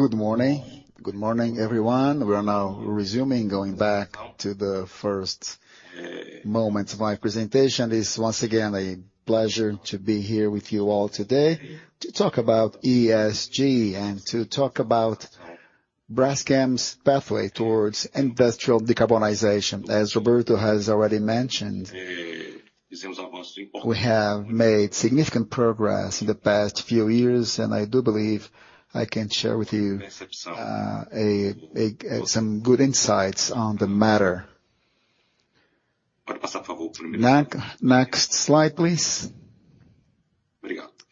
Good morning. Good morning, everyone. We are now resuming, going back to the first moment of my presentation. It is once again a pleasure to be here with you all today to talk about ESG and to talk about Braskem's pathway towards industrial decarbonization. As Roberto has already mentioned, we have made significant progress in the past few years, and I do believe I can share with you some good insights on the matter. Next slide, please.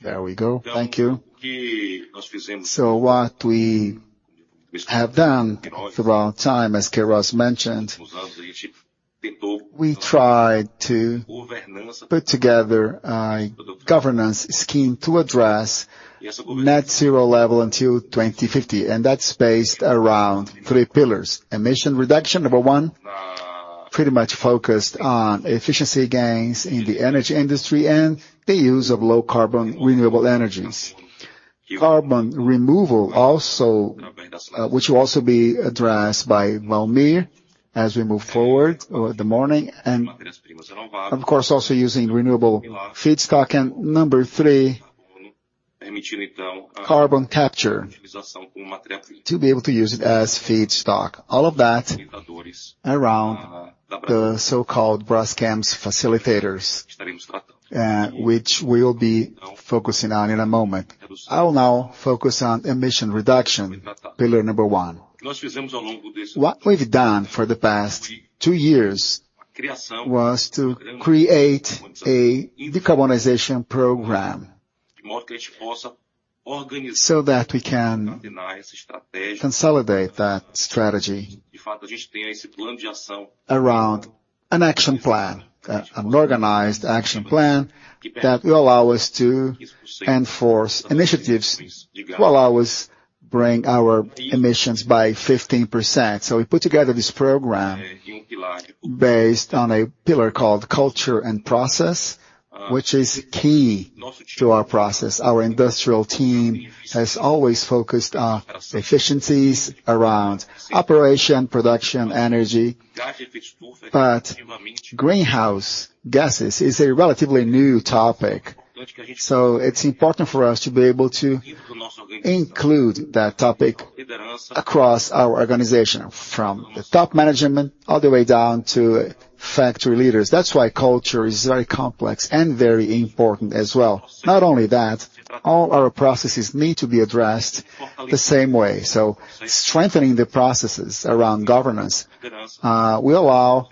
There we go. Thank you. What we have done throughout time, as Queiroz mentioned, we tried to put together a governance scheme to address net zero level until 2050, and that's based around three pillars. Emission reduction, number one, pretty much focused on efficiency gains in the energy industry and the use of low carbon renewable energies. Carbon removal also, which will also be addressed by Valmir as we move forward, the morning. Of course, also using renewable feedstock. Number three, carbon capture to be able to use it as feedstock. All of that around the so-called Braskem's facilitators, which we will be focusing on in a moment. I'll now focus on emission reduction, pillar number one. What we've done for the past two years was to create a decarbonization program so that we can consolidate that strategy around an action plan, an organized action plan that will allow us to enforce initiatives to allow us bring our emissions by 15%. We put together this program based on a pillar called culture and process, which is key to our process. Our industrial team has always focused on efficiencies around operation, production, energy, but greenhouse gases is a relatively new topic. It's important for us to be able to include that topic across our organization, from the top management all the way down to factory leaders. That's why culture is very complex and very important as well. Not only that, all our processes need to be addressed the same way. Strengthening the processes around governance will allow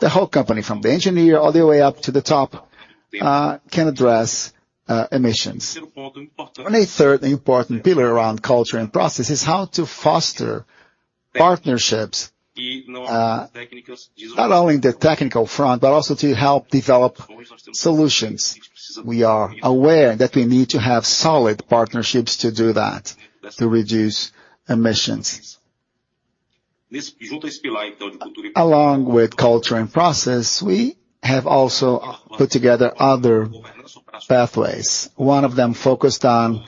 the whole company, from the engineer all the way up to the top, can address emissions. A third important pillar around culture and process is how to foster partnerships, not only in the technical front, but also to help develop solutions. We are aware that we need to have solid partnerships to do that, to reduce emissions. Along with culture and process, we have also put together other pathways. One of them focused on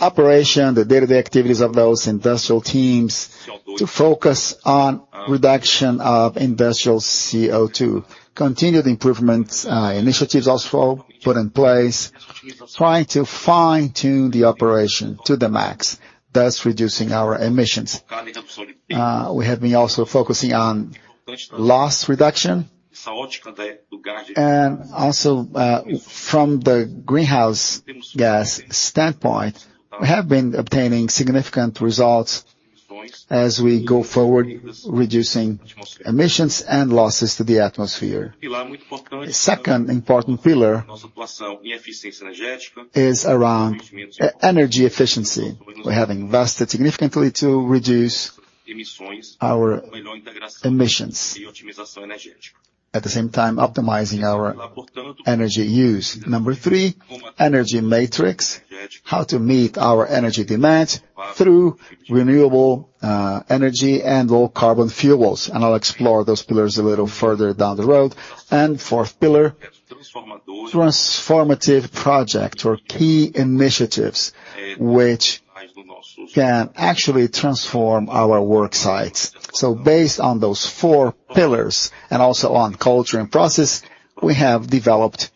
operation, the day-to-day activities of those industrial teams to focus on reduction of industrial CO₂. Continued improvements, initiatives also put in place, trying to fine-tune the operation to the max, thus reducing our emissions. We have been also focusing on loss reduction. From the greenhouse gas standpoint, we have been obtaining significant results as we go forward, reducing emissions and losses to the atmosphere. A second important pillar is around energy efficiency. We have invested significantly to reduce our emissions, at the same time optimizing our energy use. Number three, energy matrix. How to meet our energy demands through renewable energy and low carbon fuels. I'll explore those pillars a little further down the road. Fourth pillar, transformative project or key initiatives which can actually transform our work sites. Based on those four pillars, and also on culture and process, we have developed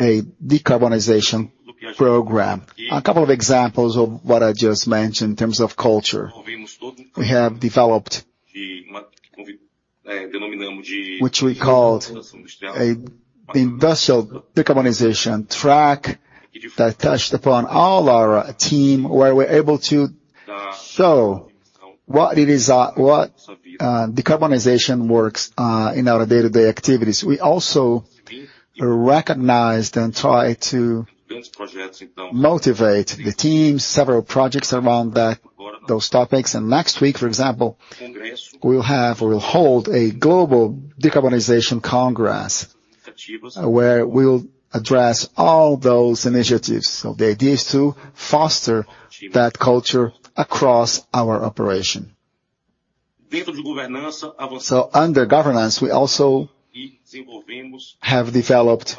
a decarbonization program. A couple of examples of what I just mentioned in terms of culture. We have developed, which we called an industrial decarbonization track that touched upon all our team, where we're able to show what it is, decarbonization works in our day-to-day activities. We also recognized and tried to motivate the teams, several projects around that, those topics. Next week, for example, we will have or will hold a global decarbonization congress, where we'll address all those initiatives. The idea is to foster that culture across our operation. Under governance, we also have developed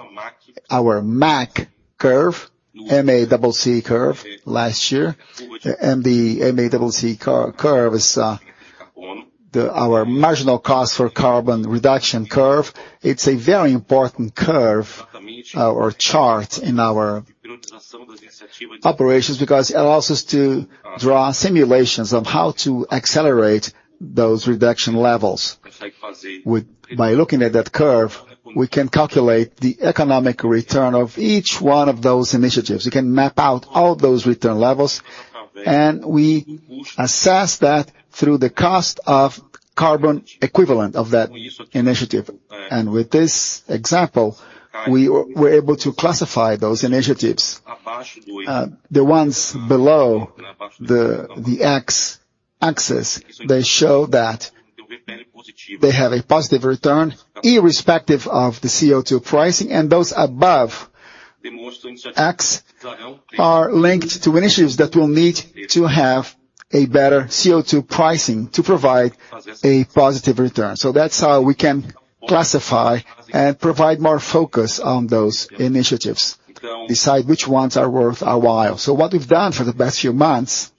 our MACC curve, M-A-double C curve last year. The MACC curve is our marginal cost for carbon reduction curve. It's a very important curve or chart in our operations because it allows us to draw simulations of how to accelerate those reduction levels. By looking at that curve, we can calculate the economic return of each one of those initiatives. We can map out all those return levels, and we assess that through the cost of carbon equivalent of that initiative. With this example, we were able to classify those initiatives. The ones below the x-axis show that they have a positive return irrespective of the CO₂ pricing, and those above the x-axis are linked to initiatives that will need to have a better CO₂ pricing to provide a positive return. That's how we can classify and provide more focus on those initiatives, decide which ones are worth our while. What we've done for the past few months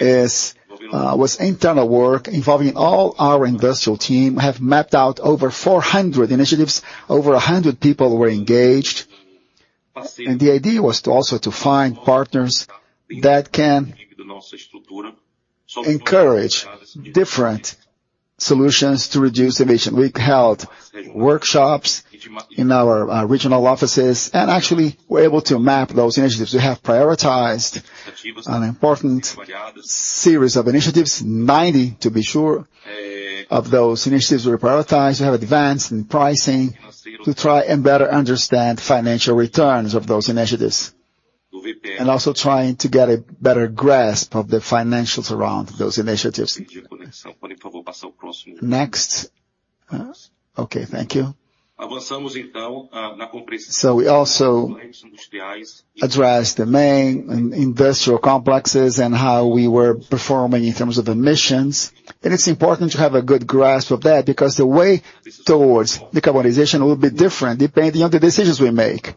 was internal work involving all our industrial team. We have mapped out over 400 initiatives. Over 100 people were engaged. The idea was to also find partners that can encourage different solutions to reduce emission. We've held workshops in our regional offices, and actually we're able to map those initiatives. We have prioritized an important series of initiatives, 90 to be sure, of those initiatives we prioritized. We have advanced in pricing to try and better understand financial returns of those initiatives, and also trying to get a better grasp of the financials around those initiatives. Next. Okay, thank you. We also address the main industrial complexes and how we were performing in terms of emissions. It's important to have a good grasp of that because the way towards decarbonization will be different depending on the decisions we make.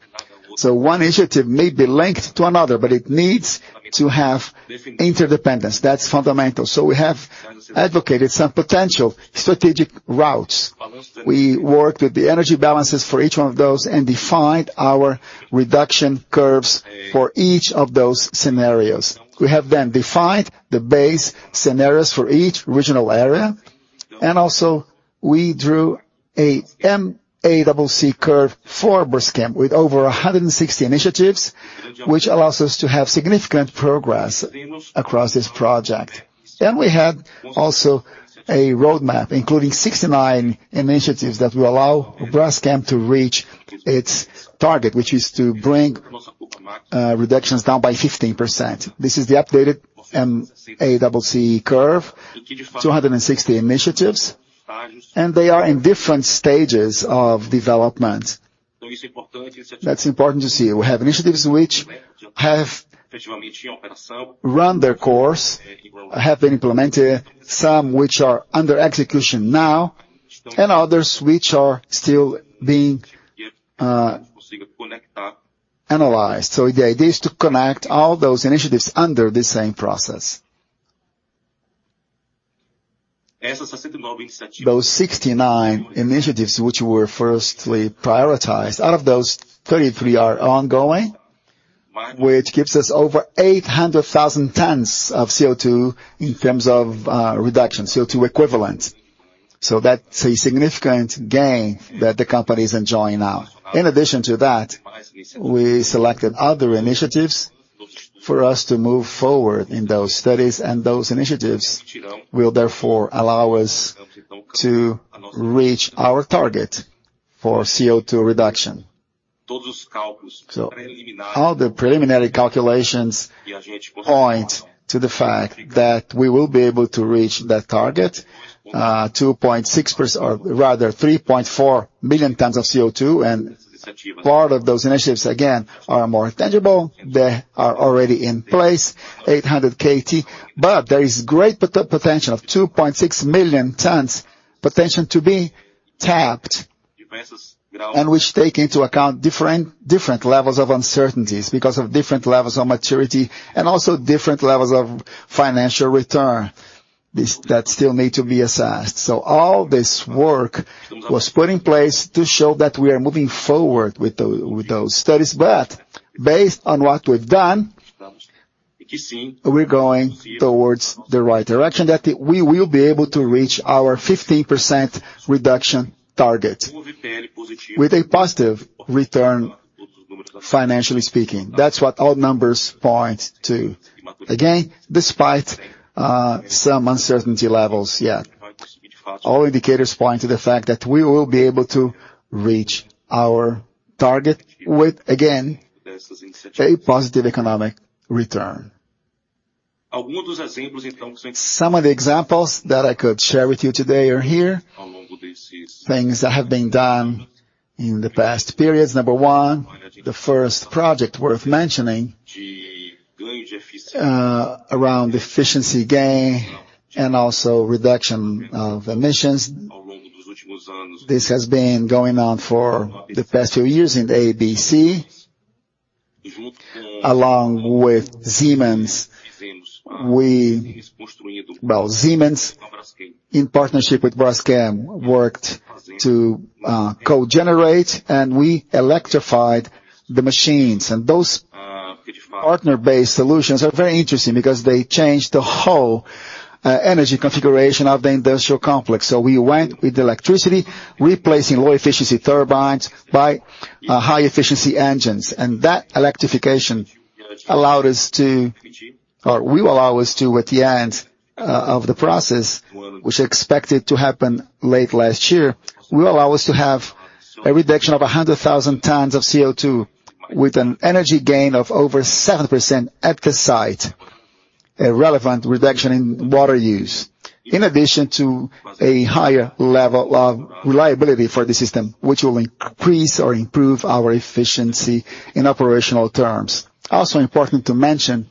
One initiative may be linked to another, but it needs to have interdependence. That's fundamental. We have advocated some potential strategic routes. We worked with the energy balances for each one of those and defined our reduction curves for each of those scenarios. We have defined the base scenarios for each regional area, and also we drew a MACC curve for Braskem with over 160 initiatives, which allows us to have significant progress across this project. We had also a roadmap, including 69 initiatives that will allow Braskem to reach its target, which is to bring reductions down by 15%. This is the updated MACC curve, 260 initiatives, and they are in different stages of development. That's important to see. We have initiatives which have run their course, have been implemented, some which are under execution now, and others which are still being analyzed. The idea is to connect all those initiatives under this same process. Those 69 initiatives which were firstly prioritized, out of those, 33 are ongoing, which gives us over 800,000 tons of CO₂ in terms of reduction, CO₂ equivalent. That's a significant gain that the company is enjoying now. In addition to that, we selected other initiatives for us to move forward in those studies, and those initiatives will therefore allow us to reach our target for CO₂ reduction. All the preliminary calculations point to the fact that we will be able to reach that target, or rather 3.4 billion tons of CO₂. Part of those initiatives, again, are more tangible. They are already in place, 800 kiloton. There is great potential of 2.6 million tons potential to be tapped, and which take into account different levels of uncertainties because of different levels of maturity and also different levels of financial return that still need to be assessed. All this work was put in place to show that we are moving forward with those studies, but based on what we've done, we're going towards the right direction, that we will be able to reach our 15% reduction target with a positive return financially speaking. That's what all numbers point to. Again, despite some uncertainty levels, yeah, all indicators point to the fact that we will be able to reach our target with, again, a positive economic return. Some of the examples that I could share with you today are here. Things that have been done in the past periods. Number one, the first project worth mentioning around efficiency gain and also reduction of emissions. This has been going on for the past few years in the ABC along with Siemens. Siemens in partnership with Braskem worked to co-generate and we electrified the machines. Those partner-based solutions are very interesting because they changed the whole energy configuration of the industrial complex. We went with electricity, replacing low-efficiency turbines by high-efficiency engines. That electrification allowed us to, or will allow us to, at the end of the process, which is expected to happen late last year, will allow us to have a reduction of 100,000 tons of CO₂ with an energy gain of over 7% at the site. A relevant reduction in water use. In addition to a higher level of reliability for the system, which will increase or improve our efficiency in operational terms. Also important to mention,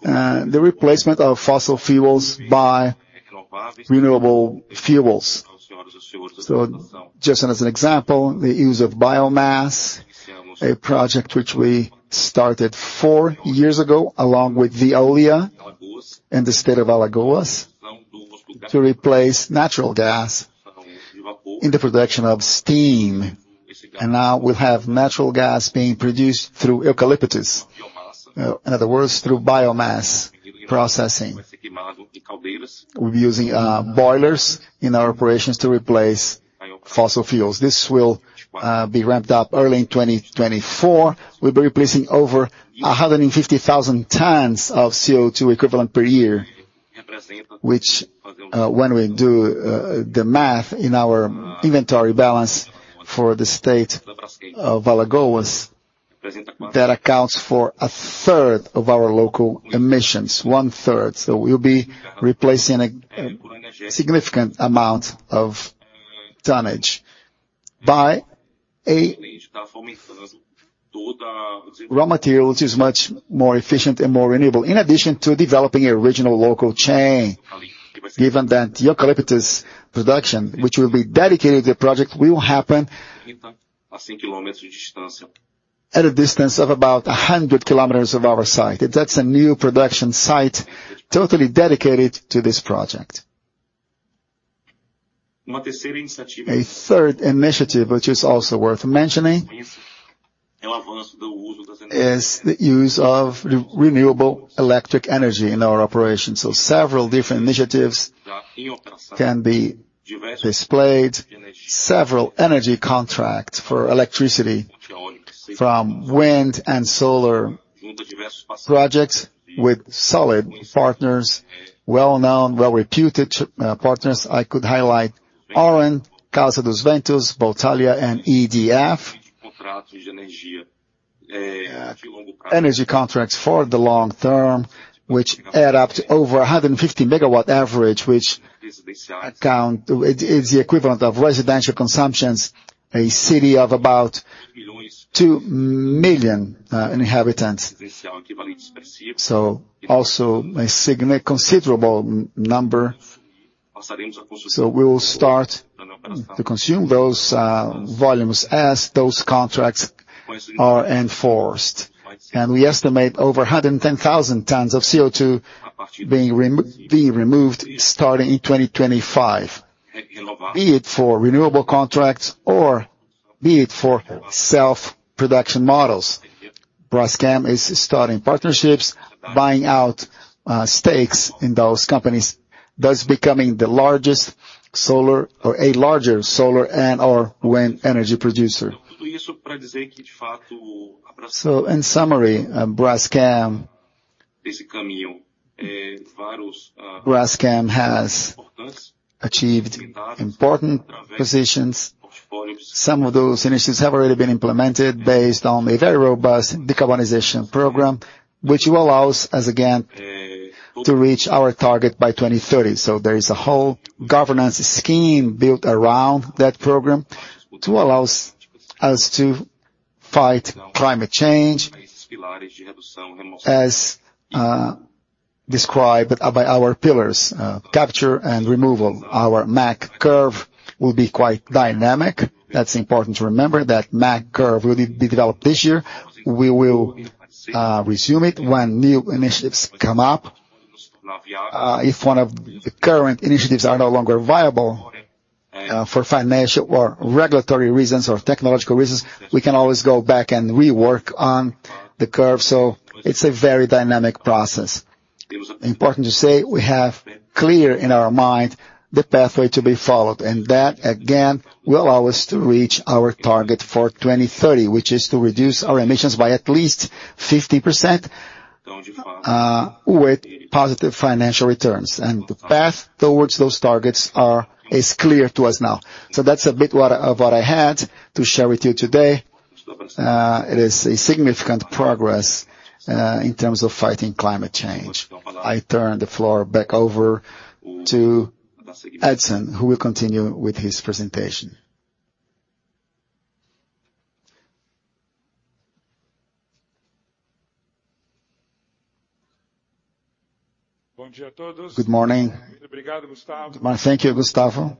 the replacement of fossil fuels by renewable fuels. Just as an example, the use of biomass, a project which we started four years ago along with Veolia in the state of Alagoas to replace natural gas in the production of steam. Now we have natural gas being produced through eucalyptus. In other words, through biomass processing. We're using boilers in our operations to replace fossil fuels. This will be ramped up early in 2024. We'll be replacing over 150,000 tons of CO₂ equivalent per year, which, when we do the math in our inventory balance for the state of Alagoas, that accounts for a third of our local emissions. One third. We'll be replacing a significant amount of tonnage by a raw material which is much more efficient and more renewable, in addition to developing a regional local chain, given that the eucalyptus production, which will be dedicated to the project, will happen at a distance of about 100 km of our site. That's a new production site totally dedicated to this project. A third initiative which is also worth mentioning is the use of renewable electric energy in our operations. Several different initiatives can be displayed. Several energy contracts for electricity from wind and solar projects with solid partners, well-known, well-reputed, partners. I could highlight Oran, Casa dos Ventos, Voltalia and EDF. Energy contracts for the long term, which add up to over 150 MW average, it's the equivalent of residential consumptions, a city of about 2 million inhabitants. Considerable number. We will start to consume those volumes as those contracts are enforced. We estimate over 110,000 tons of CO₂ being removed starting in 2025. Be it for renewable contracts or be it for self-production models. Braskem is starting partnerships, buying out stakes in those companies, thus becoming the largest solar or a larger solar and/or wind energy producer. In summary, Braskem has achieved important positions. Some of those initiatives have already been implemented based on a very robust decarbonization program, which will allow us again to reach our target by 2030. There is a whole governance scheme built around that program to allow us to fight climate change as described by our pillars, capture and removal. Our MACC curve will be quite dynamic. That's important to remember that MACC curve will be developed this year. We will revise it when new initiatives come up. If one of the current initiatives are no longer viable for financial or regulatory reasons or technological reasons, we can always go back and rework on the curve. It's a very dynamic process. Important to say, we have clear in our mind the pathway to be followed, and that, again, will allow us to reach our target for 2030, which is to reduce our emissions by at least 50%, with positive financial returns. The path towards those targets is clear to us now. That's a bit of what I had to share with you today. It is a significant progress in terms of fighting climate change. I turn the floor back over to Edison, who will continue with his presentation. Good morning. Thank you Gustavo.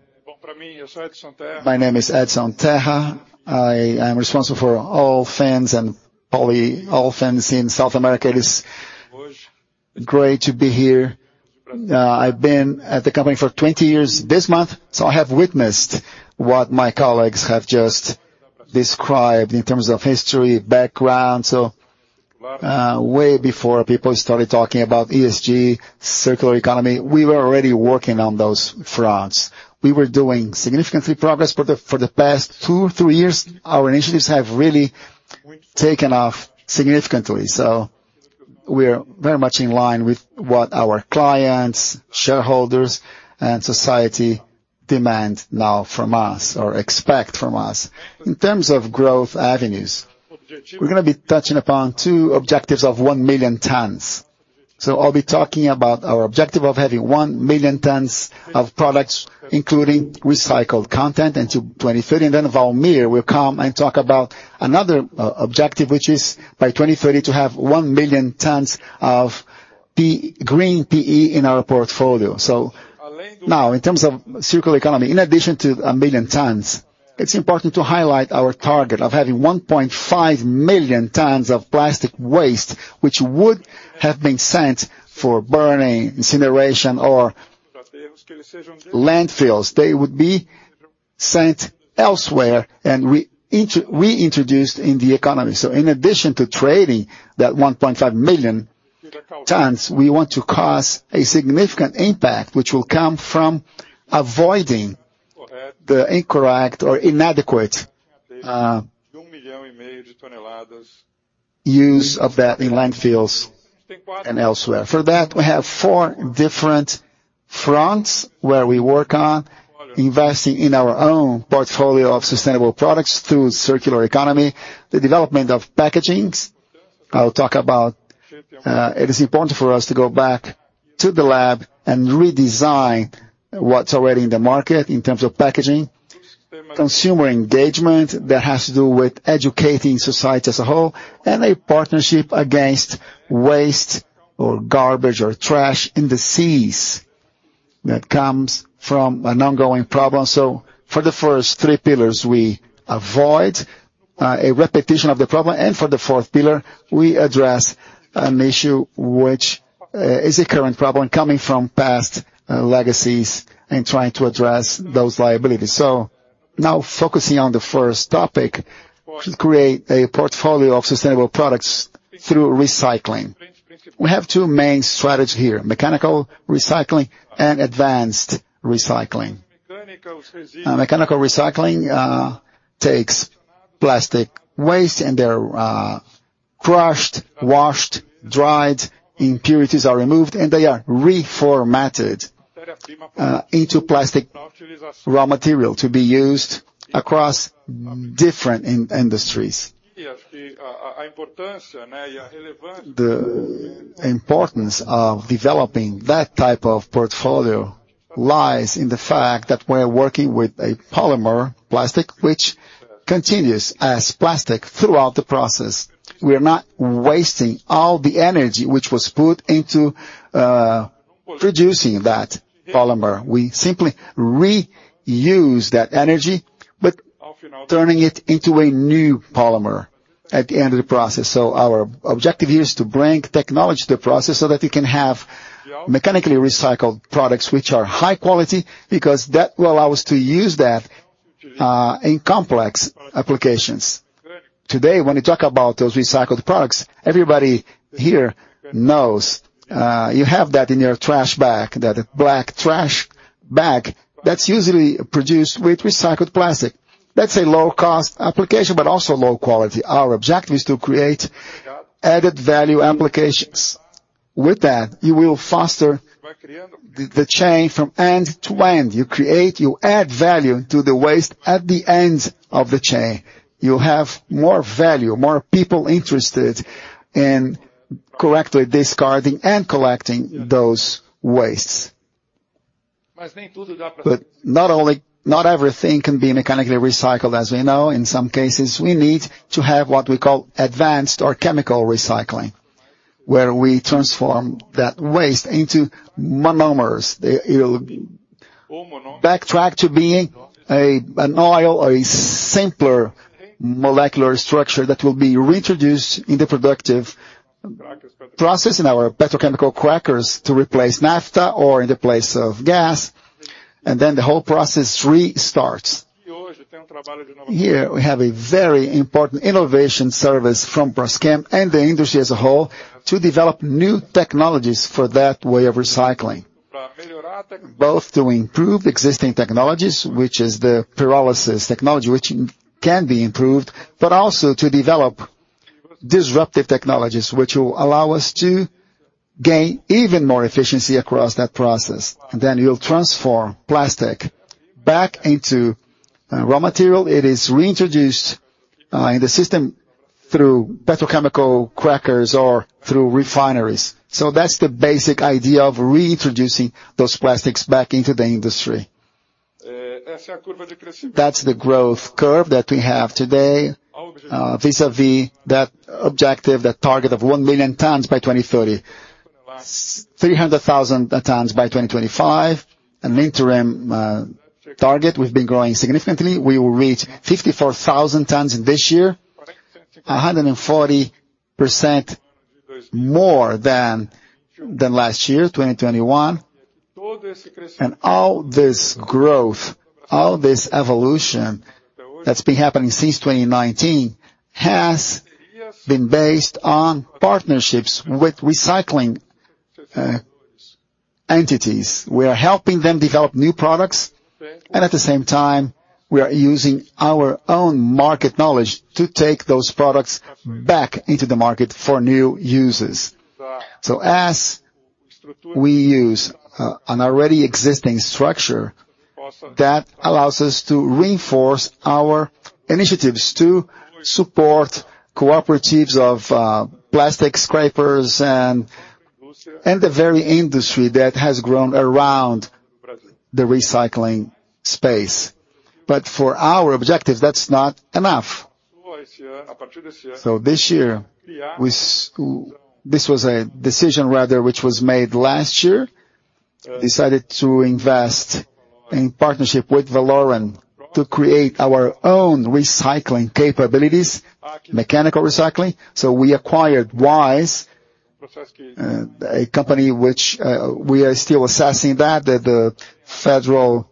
My name is Edison Terra. I am responsible for all plants in South America. It is great to be here. I've been at the company for 20 years this month, so I have witnessed what my colleagues have just described in terms of history, background. Way before people started talking about ESG, circular economy, we were already working on those fronts. We were making significant progress. For the past two, three years, our initiatives have really taken off significantly. We're very much in line with what our clients, shareholders and society demand now from us, or expect from us. In terms of growth avenues, we're gonna be touching upon two objectives of 1 million tons. I'll be talking about our objective of having 1 million tons of products, including recycled content in 2030, and then Walmir will come and talk about another objective, which is by 2030 to have 1 million tons of PE, Green PE in our portfolio. Now, in terms of circular economy, in addition to 1 million tons, it's important to highlight our target of having 1.5 million tons of plastic waste, which would have been sent for burning, incineration or landfills. They would be sent elsewhere and reintroduced in the economy. In addition to trading that 1.5 million tons, we want to cause a significant impact which will come from avoiding the incorrect or inadequate use of that in landfills and elsewhere. For that, we have four different fronts where we work on investing in our own portfolio of sustainable products through circular economy. The development of packagings, I'll talk about, it is important for us to go back to the lab and redesign what's already in the market in terms of packaging. Consumer engagement, that has to do with educating society as a whole, and a partnership against waste or garbage or trash in the seas. That comes from an ongoing problem. For the first three pillars, we avoid a repetition of the problem and for the fourth pillar, we address an issue which is a current problem coming from past legacies and trying to address those liabilities. Now focusing on the first topic, create a portfolio of sustainable products through recycling. We have two main strategies here, mechanical recycling and advanced recycling. Mechanical recycling takes plastic waste and they're crushed, washed, dried, impurities are removed, and they are reformatted into plastic raw material to be used across different industries. The importance of developing that type of portfolio lies in the fact that we're working with a polymer plastic, which continues as plastic throughout the process. We are not wasting all the energy which was put into producing that polymer. We simply reuse that energy, but turning it into a new polymer at the end of the process. Our objective here is to bring technology to the process so that we can have mechanically recycled products which are high quality because that will allow us to use that in complex applications. Today, when we talk about those recycled products, everybody here knows you have that in your trash bag, that black trash bag that's usually produced with recycled plastic. That's a low cost application, but also low quality. Our objective is to create added value applications. With that, you will foster the chain from end to end. You create, you add value to the waste at the end of the chain. You'll have more value, more people interested in correctly discarding and collecting those wastes. But not only, not everything can be mechanically recycled, as we know. In some cases, we need to have what we call advanced or chemical recycling, where we transform that waste into monomers. It'll backtrack to being an oil or a simpler molecular structure that will be reintroduced in the productive process, in our petrochemical crackers to replace naphtha or in the place of gas, and then the whole process restarts. Here we have a very important innovation service from Braskem and the industry as a whole to develop new technologies for that way of recycling. To improve existing technologies, which is the pyrolysis technology, which can be improved, but also to develop disruptive technologies which will allow us to gain even more efficiency across that process. You'll transform plastic back into raw material. It is reintroduced in the system through petrochemical crackers or through refineries. That's the basic idea of reintroducing those plastics back into the industry. That's the growth curve that we have today vis-à-vis that objective, that target of 1 million tons by 2030. 300,000 tons by 2025. An interim target, we've been growing significantly. We will reach 54,000 tons this year, 140% more than last year, 2021. All this growth, all this evolution that's been happening since 2019 has been based on partnerships with recycling entities. We are helping them develop new products, and at the same time, we are using our own market knowledge to take those products back into the market for new uses. As we use an already existing structure, that allows us to reinforce our initiatives to support cooperatives of plastic scrapers and the very industry that has grown around the recycling space. For our objectives, that's not enough. This year, this was a decision rather which was made last year. Decided to invest in partnership with Valoren to create our own recycling capabilities, mechanical recycling. We acquired Wise, a company which we are still assessing that. The federal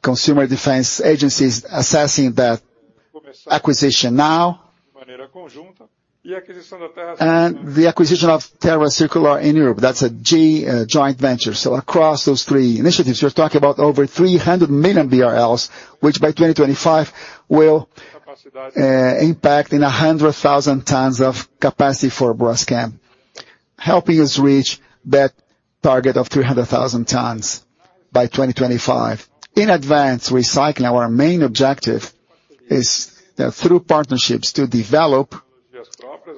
consumer defense agency is assessing that acquisition now. The acquisition of Terra Circular in Europe, that's a joint venture. Across those three initiatives, we're talking about over 300 million BRL, which by 2025 will impact a 100,000 tons of capacity for Braskem, helping us reach that target of 300,000 tons by 2025. In advanced recycling, our main objective is that through partnerships to develop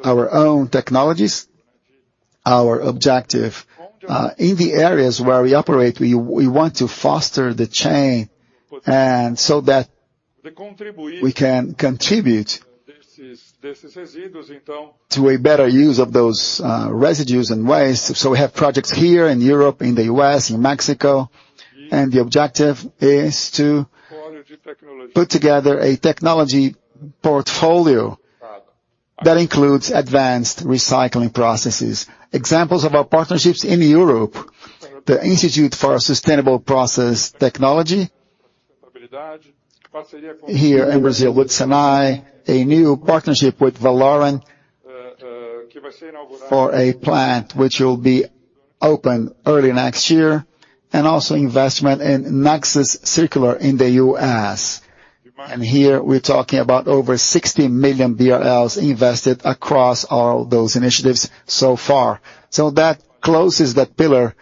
our own technologies, our objective in the areas where we operate, we want to foster the chain and so that we can contribute to a better use of those residues and waste. We have projects here in Europe, in the U.S., in Mexico, and the objective is to put together a technology portfolio that includes advanced recycling processes. Examples of our partnerships in Europe, the Institute for Sustainable Process Technology. Here in Brazil with SENAI, a new partnership with Valoren, for a plant which will be open early next year, and also investment in Nexus Circular in the U.S.. Here, we're talking about over 60 million BRL invested across all those initiatives so far. That closes that pillar,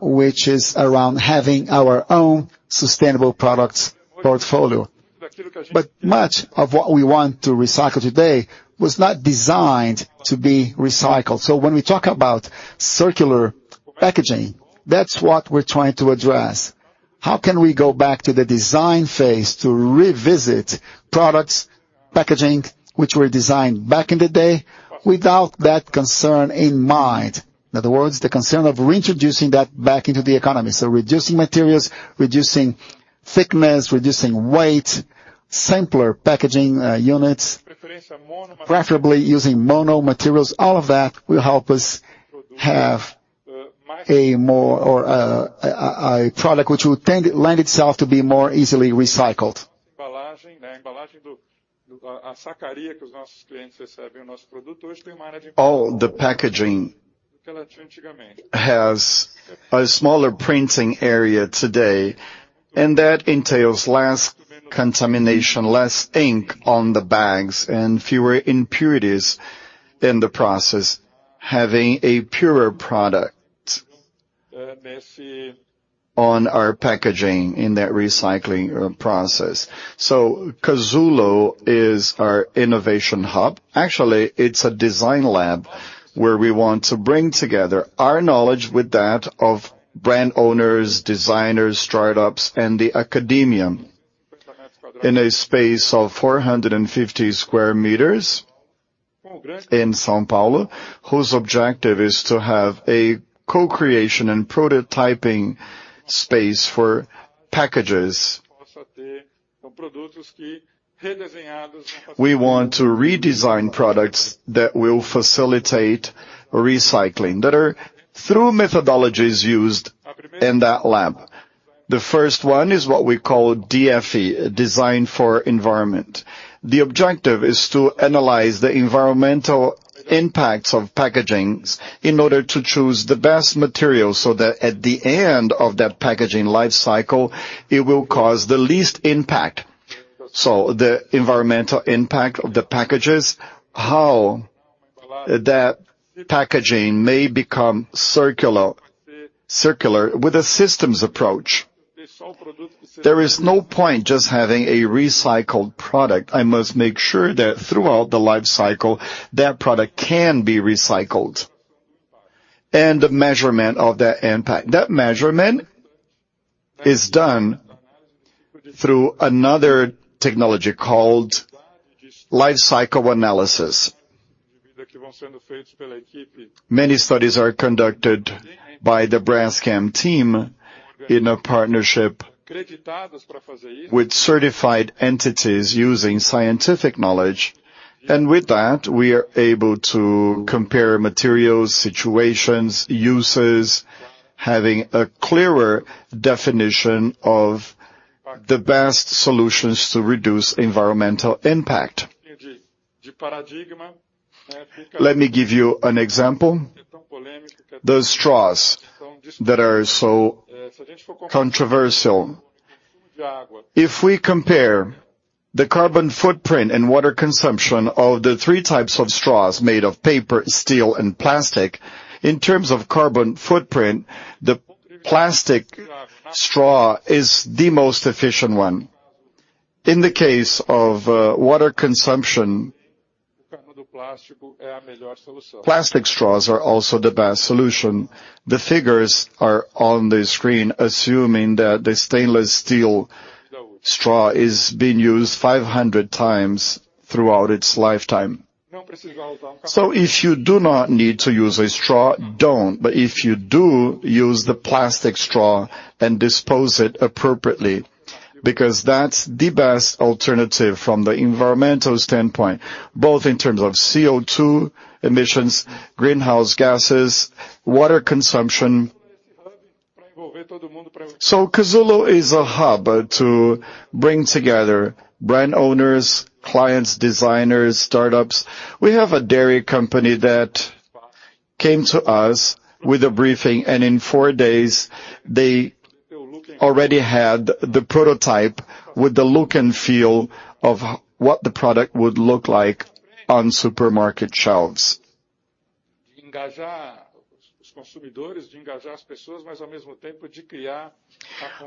which is around having our own sustainable products portfolio. Much of what we want to recycle today was not designed to be recycled. When we talk about circular packaging, that's what we're trying to address. How can we go back to the design phase to revisit products, packaging, which were designed back in the day without that concern in mind? In other words, the concern of reintroducing that back into the economy. Reducing materials, reducing thickness, reducing weight, simpler packaging, units, preferably using mono materials. All of that will help us have a more product which will lend itself to be more easily recycled. All the packaging has a smaller printing area today, and that entails less contamination, less ink on the bags and fewer impurities in the process, having a purer product on our packaging in that recycling process. Cazoolo is our innovation hub. Actually, it's a design lab where we want to bring together our knowledge with that of brand owners, designers, startups, and the academia in a space of 450 sq mi in São Paulo, whose objective is to have a co-creation and prototyping space for packages. We want to redesign products that will facilitate recycling, that are through methodologies used in that lab. The first one is what we call DFE, Design for Environment. The objective is to analyze the environmental impacts of packagings in order to choose the best materials so that at the end of that packaging life cycle, it will cause the least impact. The environmental impact of the packages, how That packaging may become circular with a systems approach. There is no point just having a recycled product. I must make sure that throughout the life cycle, that product can be recycled. The measurement of that impact. That measurement is done through another technology called life cycle analysis. Many studies are conducted by the Braskem team in a partnership with certified entities using scientific knowledge. With that, we are able to compare materials, situations, uses, having a clearer definition of the best solutions to reduce environmental impact. Let me give you an example. The straws that are so controversial. If we compare the carbon footprint and water consumption of the three types of straws made of paper, steel and plastic, in terms of carbon footprint, the plastic straw is the most efficient one. In the case of water consumption, plastic straws are also the best solution. The figures are on the screen assuming that the stainless steel straw is being used 500x throughout its lifetime. If you do not need to use a straw, don't. If you do, use the plastic straw and dispose it appropriately because that's the best alternative from the environmental standpoint, both in terms of CO₂ emissions, greenhouse gases, water consumption. Cazoolo is a hub to bring together brand owners, clients, designers, startups. We have a dairy company that came to us with a briefing, and in four days they already had the prototype with the look and feel of what the product would look like on supermarket shelves.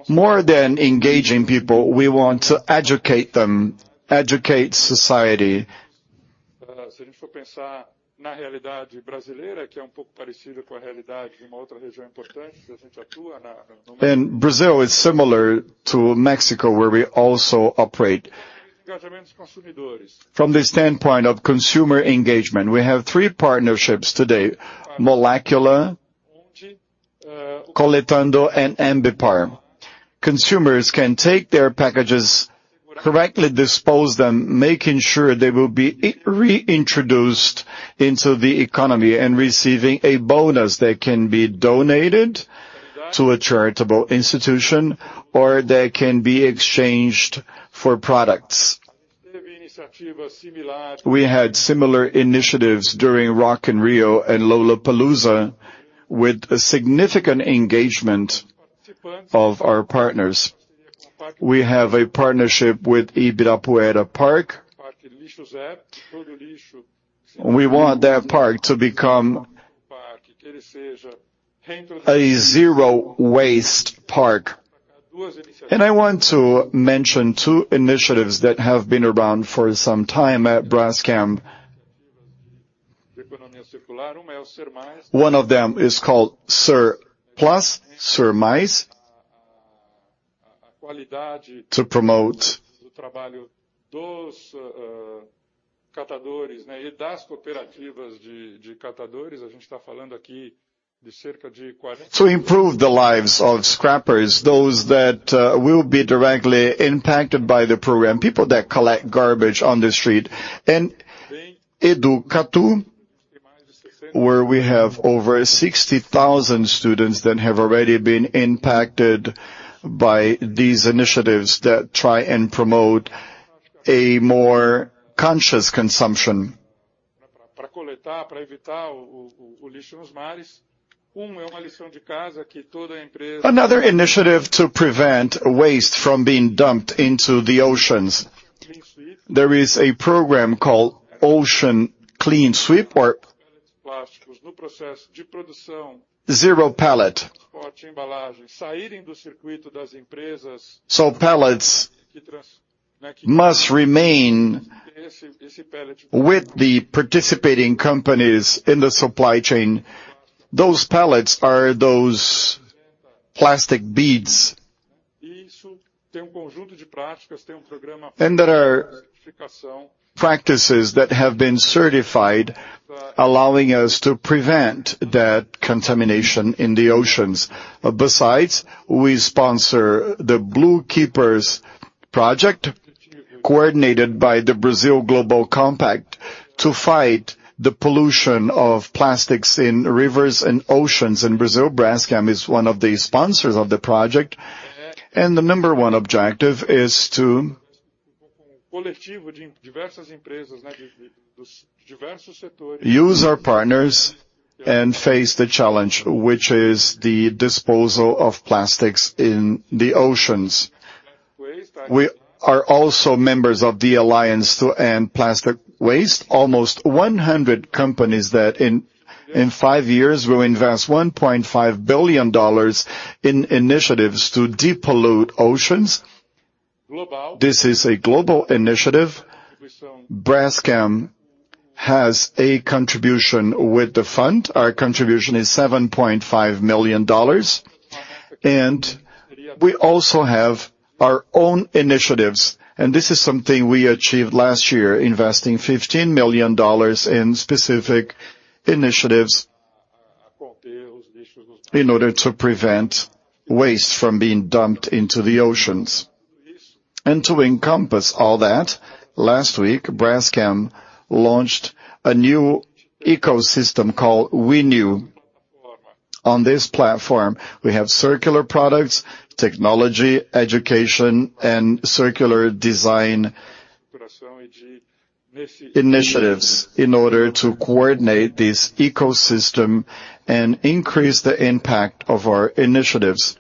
More than engaging people, we want to educate them, educate society. Brazil is similar to Mexico, where we also operate. From the standpoint of consumer engagement, we have three partnerships today, Molecula, Coletando and Ambipar. Consumers can take their packages, correctly dispose them, making sure they will be re-introduced into the economy and receiving a bonus that can be donated to a charitable institution, or they can be exchanged for products. We had similar initiatives during Rock in Rio and Lollapalooza with a significant engagement of our partners. We have a partnership with Ibirapuera Park. We want that park to become a zero waste park. I want to mention two initiatives that have been around for some time at Braskem. One of them is called Ser+, Ser Mais, to improve the lives of scrappers, those that will be directly impacted by the program, people that collect garbage on the street. Edukatu, where we have over 60,000 students that have already been impacted by these initiatives that try and promote a more conscious consumption. Another initiative to prevent waste from being dumped into the oceans. There is a program called Operation Clean Sweep or Zero Pellet. Pellets must remain with the participating companies in the supply chain. Those pellets are those plastic beads. There are practices that have been certified, allowing us to prevent that contamination in the oceans. Besides, we sponsor the Blue Keepers project coordinated by the Brazil Global Compact to fight the pollution of plastics in rivers and oceans. In Brazil, Braskem is one of the sponsors of the project, and the number one objective is to use our partners and face the challenge, which is the disposal of plastics in the oceans. We are also members of the Alliance to End Plastic Waste. Almost 100 companies that in five years will invest $1.5 billion in initiatives to depollute oceans. This is a global initiative. Braskem has a contribution with the fund. Our contribution is $7.5 million. We also have our own initiatives, and this is something we achieved last year, investing $15 million in specific initiatives in order to prevent waste from being dumped into the oceans. To encompass all that, last week, Braskem launched a new ecosystem called Wenew. On this platform, we have circular products, technology, education, and circular design initiatives in order to coordinate this ecosystem and increase the impact of our initiatives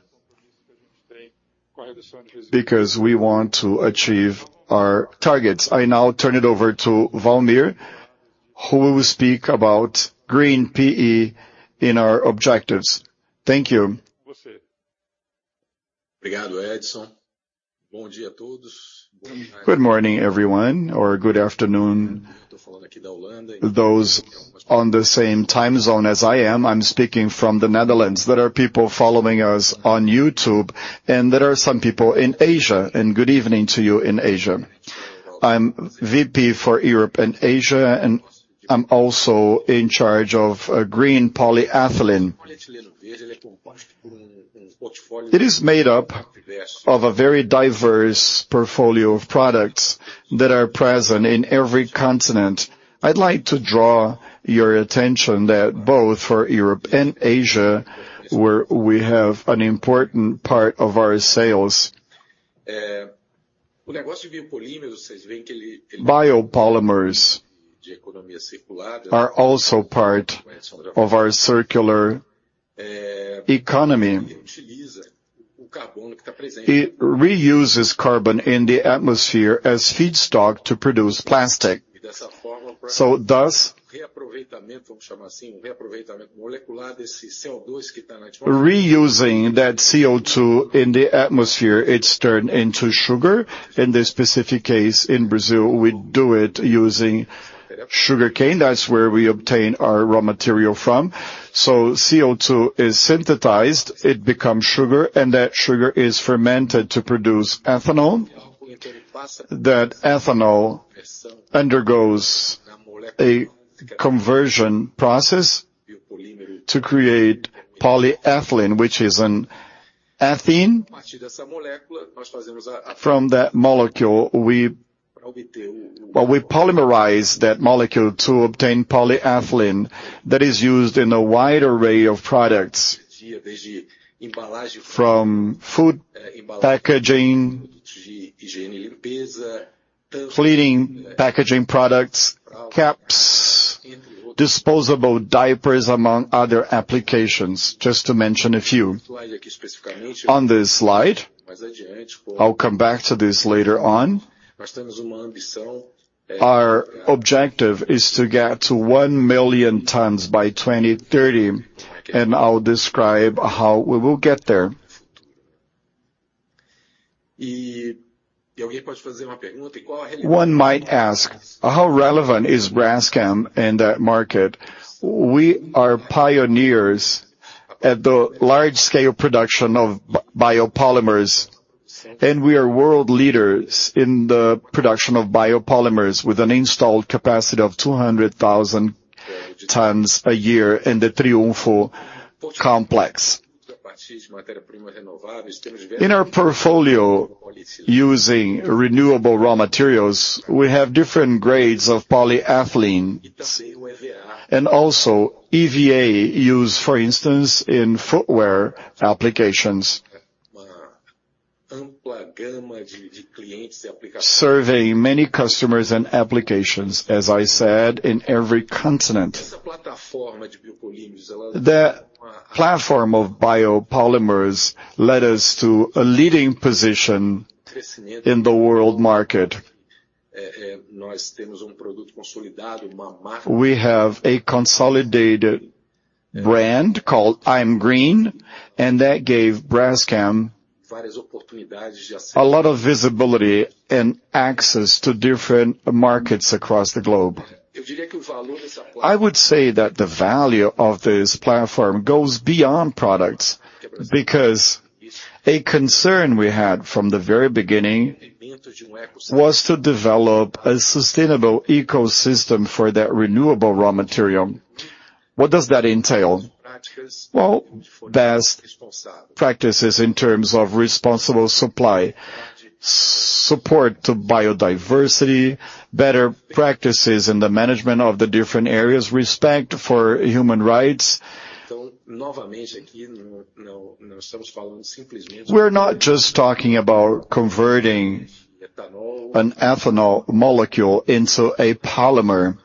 because we want to achieve our targets. I now turn it over to Valmir, who will speak about Green PE in our objectives. Thank you. Good morning, everyone, or good afternoon, those on the same time zone as I am. I'm speaking from the Netherlands. There are people following us on YouTube, and there are some people in Asia, and good evening to you in Asia. I'm VP for Europe and Asia, and I'm also in charge of Green Polyethylene. It is made up of a very diverse portfolio of products that are present in every continent. I'd like to draw your attention that both for Europe and Asia, where we have an important part of our sales, biopolymers are also part of our circular economy. It reuses carbon in the atmosphere as feedstock to produce plastic. Thus, reusing that CO₂ in the atmosphere, it's turned into sugar. In this specific case, in Brazil, we do it using sugarcane. That's where we obtain our raw material from. CO₂ is synthesized, it becomes sugar, and that sugar is fermented to produce ethanol. That ethanol undergoes a conversion process to create polyethylene, which is an ethylene. From that molecule, we polymerize that molecule to obtain polyethylene that is used in a wide array of products, from food packaging, cleaning packaging products, caps, disposable diapers, among other applications, just to mention a few. On this slide, I'll come back to this later on. Our objective is to get to 1 million tons by 2030, and I'll describe how we will get there. One might ask, how relevant is Braskem in that market? We are pioneers at the large-scale production of biopolymers, and we are world leaders in the production of biopolymers with an installed capacity of 200,000 tons a year in the Triunfo complex. In our portfolio using renewable raw materials, we have different grades of polyethylenes, and also EVA used, for instance, in footwear applications. Serving many customers and applications, as I said, in every continent. The platform of biopolymers led us to a leading position in the world market. We have a consolidated brand called I'm green, and that gave Braskem a lot of visibility and access to different markets across the globe. I would say that the value of this platform goes beyond products because a concern we had from the very beginning was to develop a sustainable ecosystem for that renewable raw material. What does that entail? Well, best practices in terms of responsible supply, support to biodiversity, better practices in the management of the different areas, respect for human rights. We're not just talking about converting an ethanol molecule into a polymer.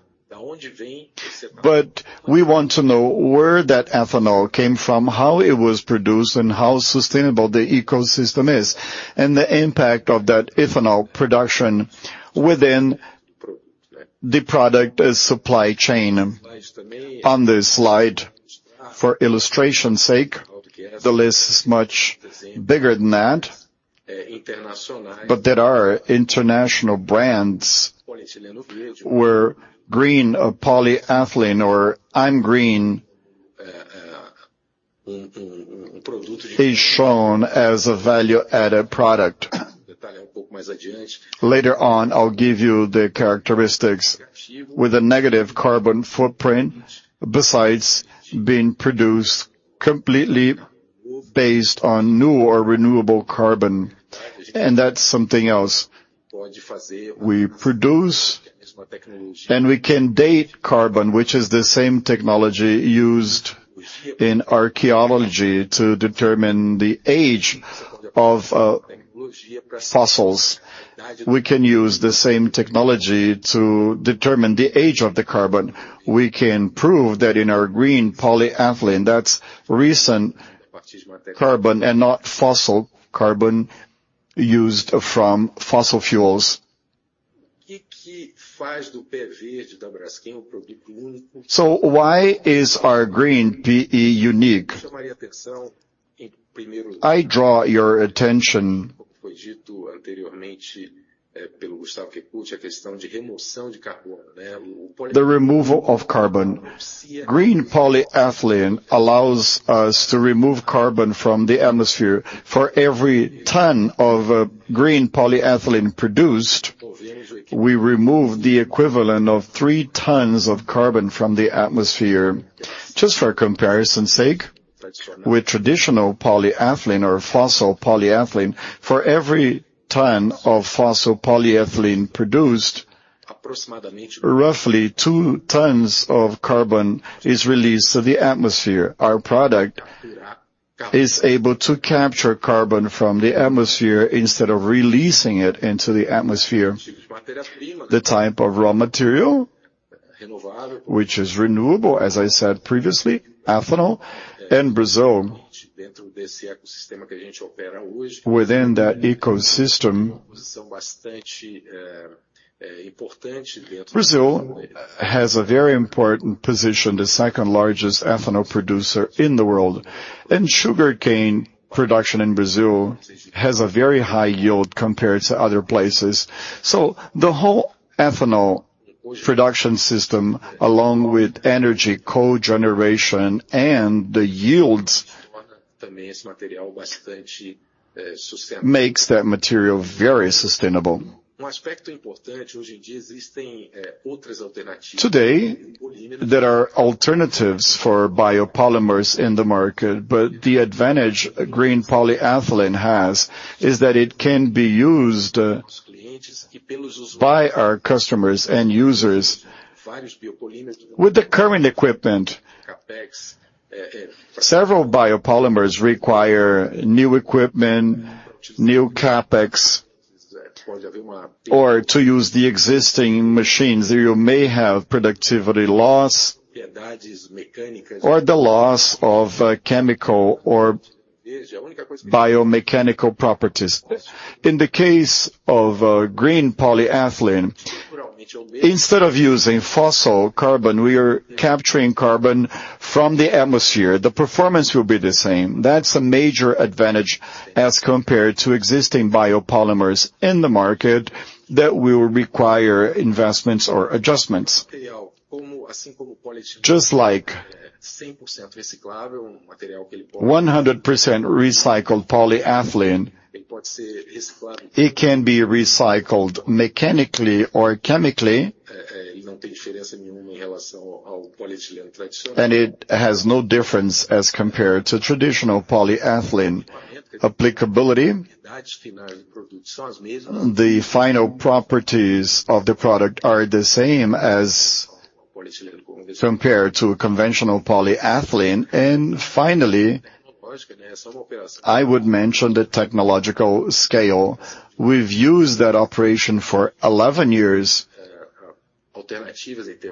We want to know where that ethanol came from, how it was produced, and how sustainable the ecosystem is, and the impact of that ethanol production within the product supply chain. On this slide, for illustration's sake, the list is much bigger than that. There are international brands where Green Polyethylene or I'm green is shown as a value-added product. Later on, I'll give you the characteristics. With a negative carbon footprint, besides being produced completely based on new or renewable carbon, and that's something else. We produce and we can date carbon, which is the same technology used in archaeology to determine the age of fossils. We can use the same technology to determine the age of the carbon. We can prove that in our Green Polyethylene, that's recent carbon and not fossil carbon used from fossil fuels. Why is our Green PE unique? I draw your attention to the removal of carbon. Green Polyethylene allows us to remove carbon from the atmosphere. For every ton of Green Polyethylene produced, we remove the equivalent of 3 tons of carbon from the atmosphere. Just for comparison's sake, with traditional polyethylene or fossil polyethylene, for every ton of fossil polyethylene produced, roughly 2 tons of carbon is released to the atmosphere. Our product is able to capture carbon from the atmosphere instead of releasing it into the atmosphere. The type of raw material, which is renewable, as I said previously, ethanol in Brazil. Within that ecosystem, Brazil has a very important position, the second-largest ethanol producer in the world. Sugarcane production in Brazil has a very high yield compared to other places. The whole ethanol production system, along with energy cogeneration and the yields, makes that material very sustainable. Today, there are alternatives for biopolymers in the market, but the advantage Green Polyethylene has is that it can be used by our customers and users with the current equipment. Several biopolymers require new equipment, new CapEx, or to use the existing machines. You may have productivity loss or the loss of chemical or biomechanical properties. In the case of Green Polyethylene, instead of using fossil carbon, we are capturing carbon from the atmosphere. The performance will be the same. That's a major advantage as compared to existing biopolymers in the market that will require investments or adjustments. Just like 100% recycled polyethylene, it can be recycled mechanically or chemically. It has no difference as compared to traditional polyethylene. Applicability, the final properties of the product are the same as compared to conventional polyethylene. Finally, I would mention the technological scale. We've used that operation for 11 years. There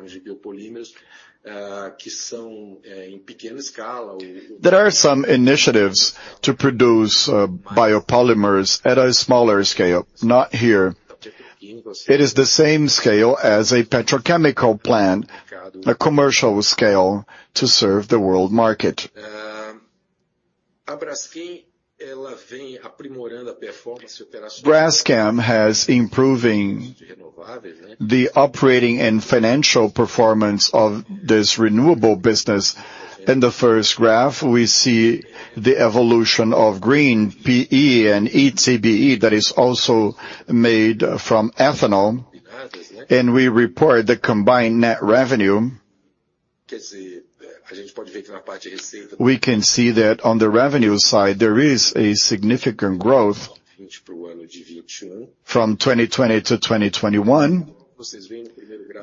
are some initiatives to produce biopolymers at a smaller scale, not here. It is the same scale as a petrochemical plant, a commercial scale to serve the world market. Braskem has improving the operating and financial performance of this renewable business. In the first graph, we see the evolution of Green PE and ETBE that is also made from ethanol, and we report the combined net revenue. We can see that on the revenue side, there is a significant growth from 2020 to 2021.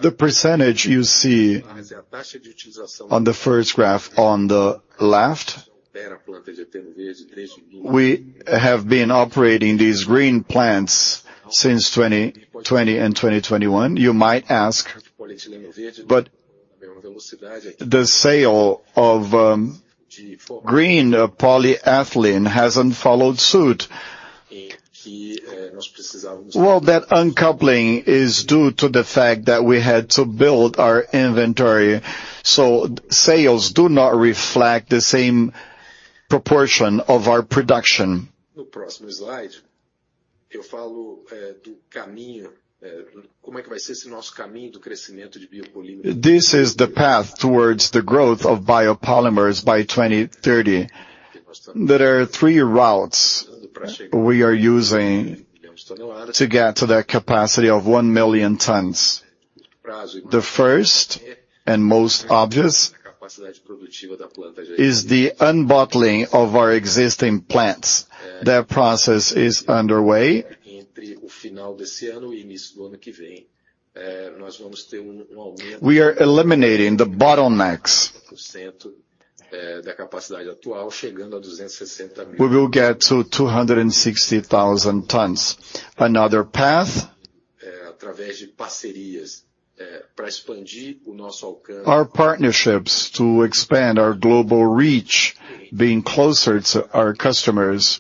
The percentage you see on the first graph on the left. We have been operating these green plants since 2020 and 2021. You might ask, but the sale of Green Polyethylene hasn't followed suit. Well, that uncoupling is due to the fact that we had to build our inventory, so sales do not reflect the same proportion of our production. This is the path towards the growth of biopolymers by 2030. There are three routes we are using to get to that capacity of 1,000,000 tons. The first and most obvious is the debottlenecking of our existing plants. That process is underway. We are eliminating the bottlenecks. We will get to 260,000 tons. Another path, our partnerships to expand our global reach, being closer to our customers.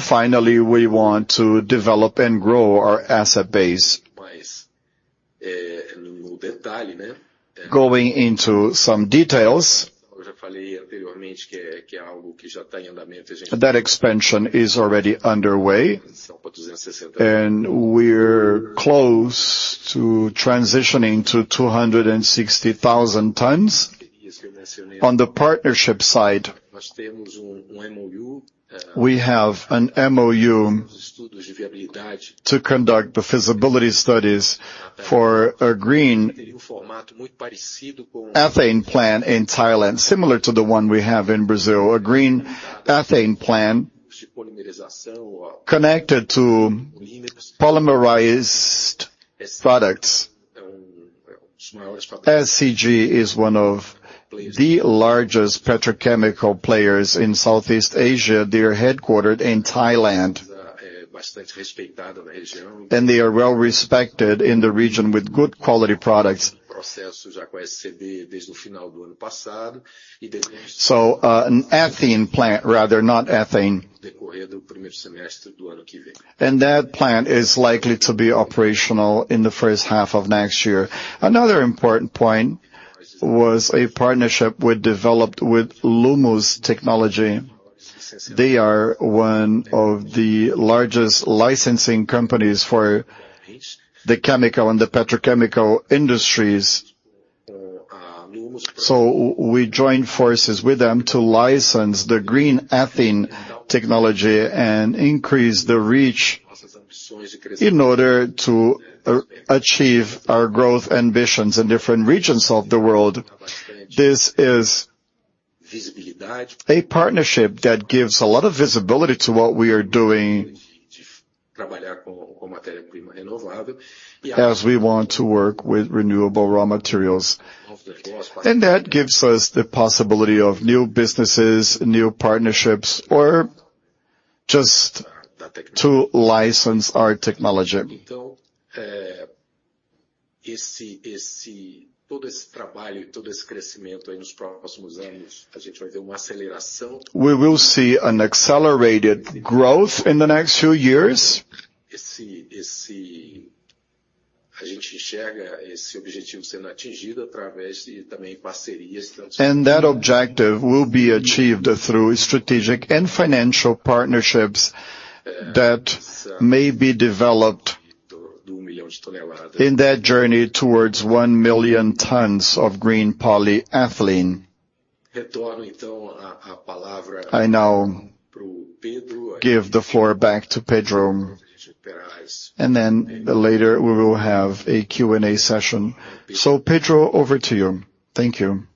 Finally, we want to develop and grow our asset base. Going into some details, that expansion is already underway, and we're close to transitioning to 260,000 tons. On the partnership side, we have an MOU to conduct the feasibility studies for a green ethylene plant in Thailand, similar to the one we have in Brazil, a green ethylene plant connected to polymerized products. SCG is one of the largest petrochemical players in Southeast Asia. They are headquartered in Thailand. They are well-respected in the region with good quality products. An ethylene plant rather, not ethane. That plant is likely to be operational in the first half of next year. Another important point was a partnership we developed with Lummus Technology. They are one of the largest licensing companies for the chemical and the petrochemical industries. We joined forces with them to license the green ethylene technology and increase the reach in order to achieve our growth ambitions in different regions of the world. This is a partnership that gives a lot of visibility to what we are doing as we want to work with renewable raw materials. That gives us the possibility of new businesses, new partnerships, or just to license our technology. We will see an accelerated growth in the next few years. That objective will be achieved through strategic and financial partnerships that may be developed in that journey towards 1 million tons of Green Polyethylene. I now give the floor back to Pedro, and then later, we will have a Q&A session. Pedro, over to you. Thank you.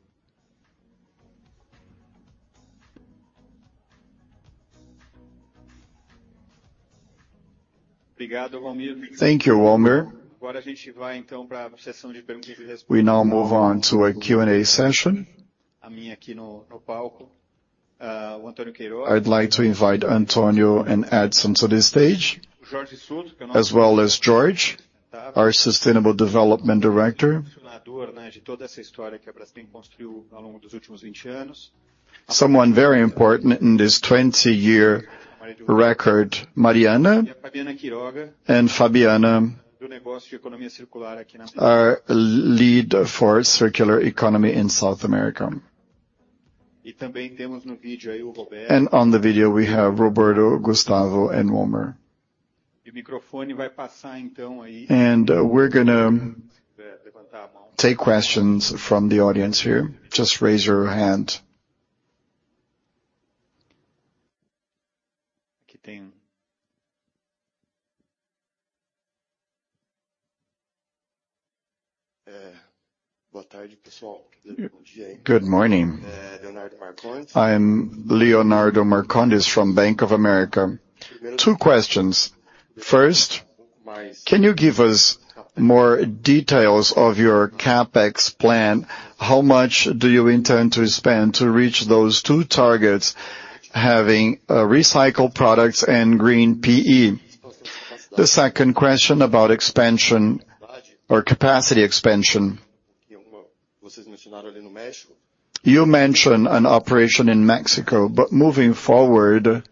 Thank you, Walmir. We now move on to a Q&A session. I'd like to invite Antonio and Edson to the stage, as well as George, our sustainable development director. Someone very important in this 20-year record, Mariana and Fabiana, our lead for circular economy in South America. On the video, we have Roberto, Gustavo, and Walmir. We're gonna take questions from the audience here. Just raise your hand. Good morning. I am Leonardo Marcondes from Bank of America. Two questions. First, can you give us more details of your CapEx plan? How much do you intend to spend to reach those two targets, having recycled products and Green PE? The second question about expansion or capacity expansion. You mentioned an operation in Mexico, but moving forward,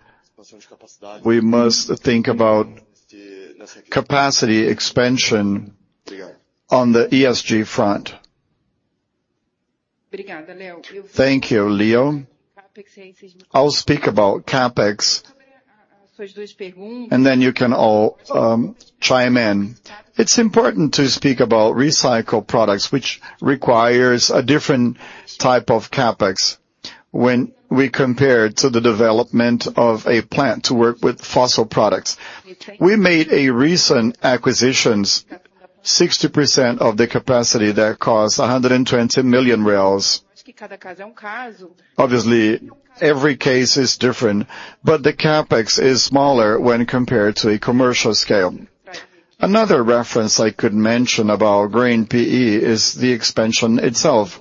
we must think about capacity expansion on the ESG front. Thank you, Leo. I'll speak about CapEx, and then you can all chime in. It's important to speak about recycled products, which requires a different type of CapEx when we compare to the development of a plant to work with fossil products. We made a recent acquisition, 60% of the capacity that costs 120 million. Obviously, every case is different, but the CapEx is smaller when compared to a commercial scale. Another reference I could mention about Green PE is the expansion itself.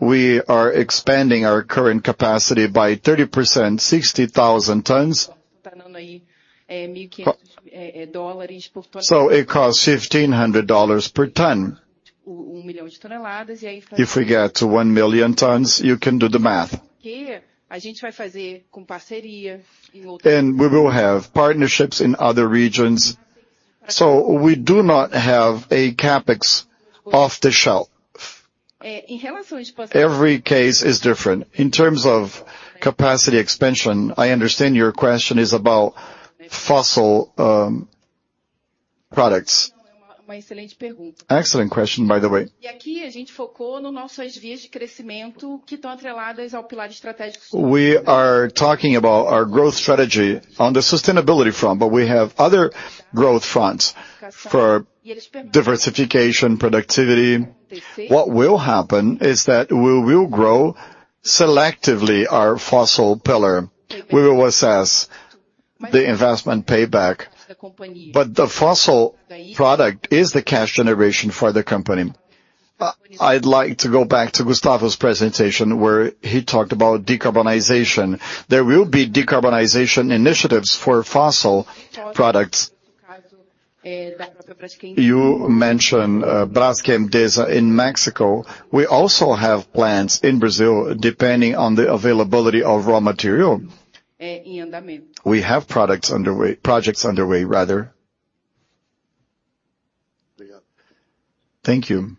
We are expanding our current capacity by 30%, 60,000 tons. It costs $1,500 per ton. If we get to 1,000,000 tons, you can do the math. We will have partnerships in other regions. We do not have a CapEx off the shelf. Every case is different. In terms of capacity expansion, I understand your question is about fossil products. Excellent question, by the way. We are talking about our growth strategy on the sustainability front, but we have other growth fronts for diversification, productivity. What will happen is that we will grow selectively our fossil pillar. We will assess the investment payback. The fossil product is the cash generation for the company. I'd like to go back to Gustavo's presentation, where he talked about decarbonization. There will be decarbonization initiatives for fossil products. You mentioned Braskem Idesa in Mexico. We also have plants in Brazil, depending on the availability of raw material. We have projects underway, rather. Thank you.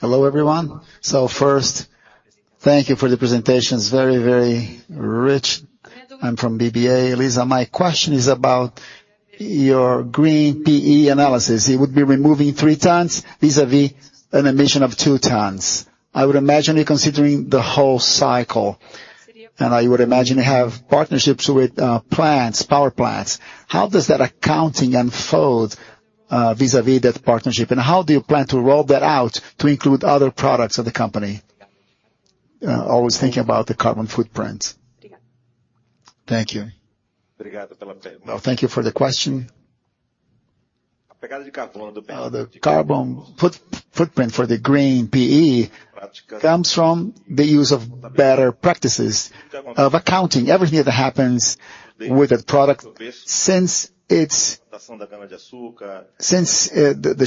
Hello, everyone. Thank you for the presentations, very, very rich. I'm from BBA. Lisa, my question is about your Green PE analysis. It would be removing 3 tons vis-a-vis an emission of 2 tons. I would imagine you're considering the whole cycle. I would imagine you have partnerships with plants, power plants. How does that accounting unfold vis-a-vis that partnership? How do you plan to roll that out to include other products of the company? Always thinking about the carbon footprint. Thank you. Thank you for the question. The carbon footprint for the Green PE comes from the use of better practices of accounting. Everything that happens with a product since the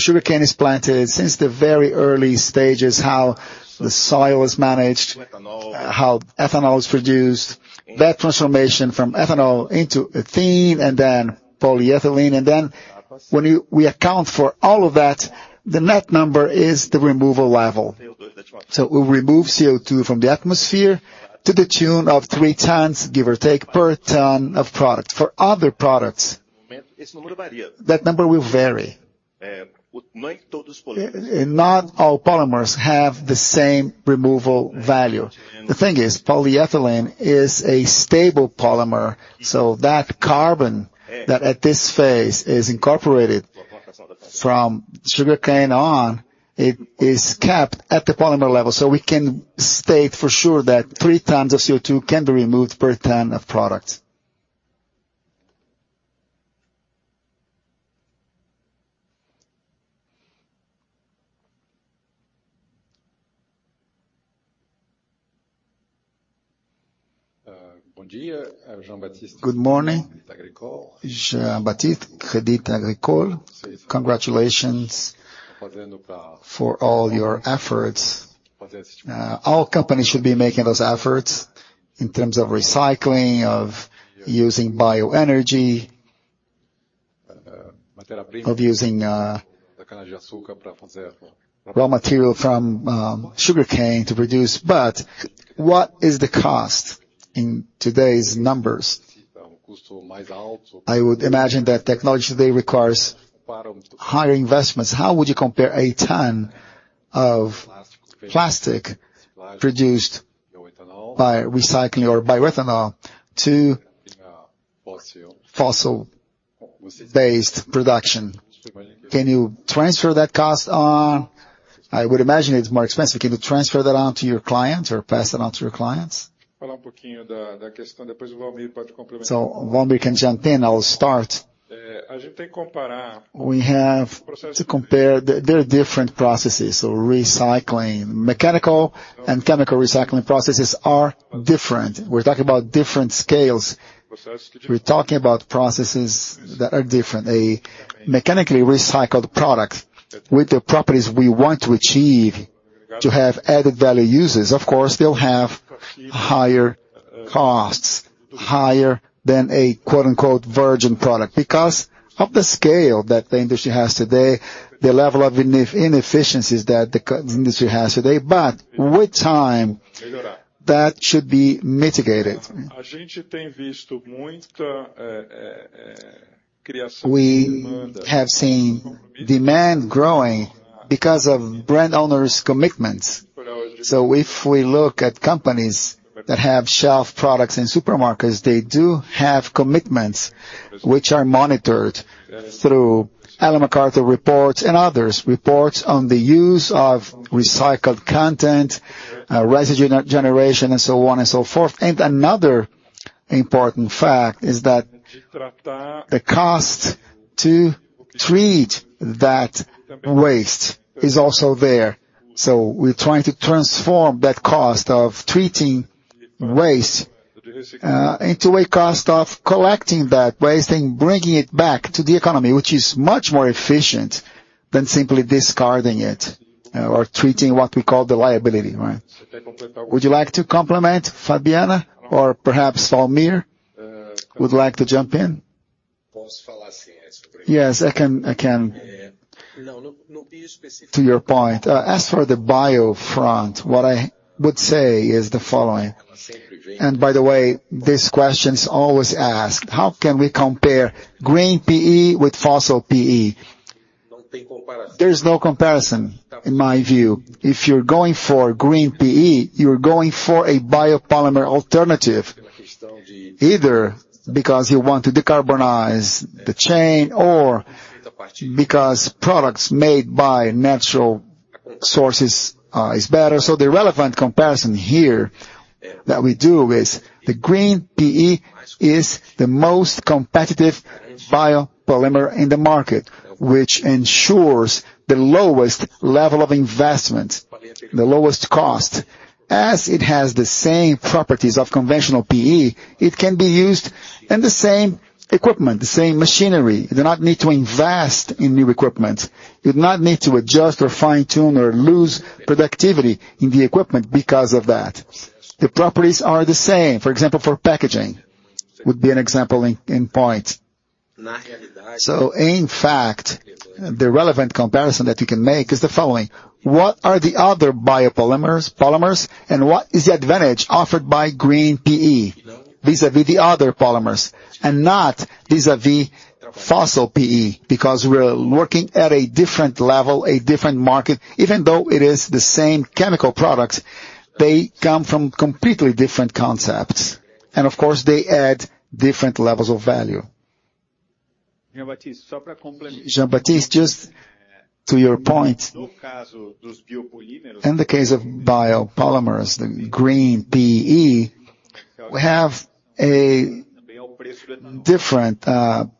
sugarcane is planted, since the very early stages, how the soil is managed, how ethanol is produced, that transformation from ethanol into ethylene, and then polyethylene. We account for all of that, the net number is the removal level. We remove CO₂ from the atmosphere to the tune of 3 tons, give or take, per ton of product. For other products, that number will vary. Not all polymers have the same removal value. The thing is, polyethylene is a stable polymer. That carbon that at this phase is incorporated from sugarcane on, it is kept at the polymer level. We can state for sure that 3 tons of CO₂ can be removed per ton of product. Good morning. Jean-Baptiste, Crédit Agricole. Congratulations for all your efforts. All companies should be making those efforts in terms of recycling, of using bioenergy, of using raw material from sugarcane to produce. What is the cost in today's numbers? I would imagine that technology today requires higher investments. How would you compare a ton of plastic produced by recycling or bioethanol to fossil-based production? Can you transfer that cost on? I would imagine it's more expensive. Can you transfer that on to your clients or pass that on to your clients? Walmir can jump in. I'll start. We have to compare. There are different processes. Recycling, mechanical and chemical recycling processes are different. We're talking about different scales. We're talking about processes that are different. A mechanically recycled product with the properties we want to achieve to have added value uses, of course, they'll have higher costs, higher than a quote-unquote virgin product. Because of the scale that the industry has today, the level of inefficiencies that the industry has today. With time, that should be mitigated. We have seen demand growing because of brand owners' commitments. If we look at companies that have shelf products in supermarkets, they do have commitments which are monitored through Ellen MacArthur reports and others, reports on the use of recycled content, residue generation, and so on and so forth. Another important fact is that the cost to treat that waste is also there. We're trying to transform that cost of treating waste into a cost of collecting that waste and bringing it back to the economy, which is much more efficient than simply discarding it or treating what we call the liability, right? Would you like to complement, Fabiana, or perhaps Walmir would like to jump in? Yes, I can. To your point, as for the bio front, what I would say is the following. By the way, this question is always asked, "How can we compare Green PE with fossil PE?" There's no comparison in my view. If you're going for Green PE, you're going for a biopolymer alternative, either because you want to decarbonize the chain or because products made by natural sources is better. The relevant comparison here that we do is the Green PE is the most competitive biopolymer in the market, which ensures the lowest level of investment, the lowest cost. As it has the same properties of conventional PE, it can be used in the same equipment, the same machinery. You do not need to invest in new equipment. You do not need to adjust or fine-tune or lose productivity in the equipment because of that. The properties are the same, for example, for packaging, would be an example in point. In fact, the relevant comparison that you can make is the following. What are the other biopolymers, polymers, and what is the advantage offered by Green PE vis-à-vis the other polymers, and not vis-à-vis fossil PE? Because we're working at a different level, a different market. Even though it is the same chemical products, they come from completely different concepts, and of course, they add different levels of value. Jean-Baptiste, just to your point, in the case of biopolymers, the Green PE, we have a different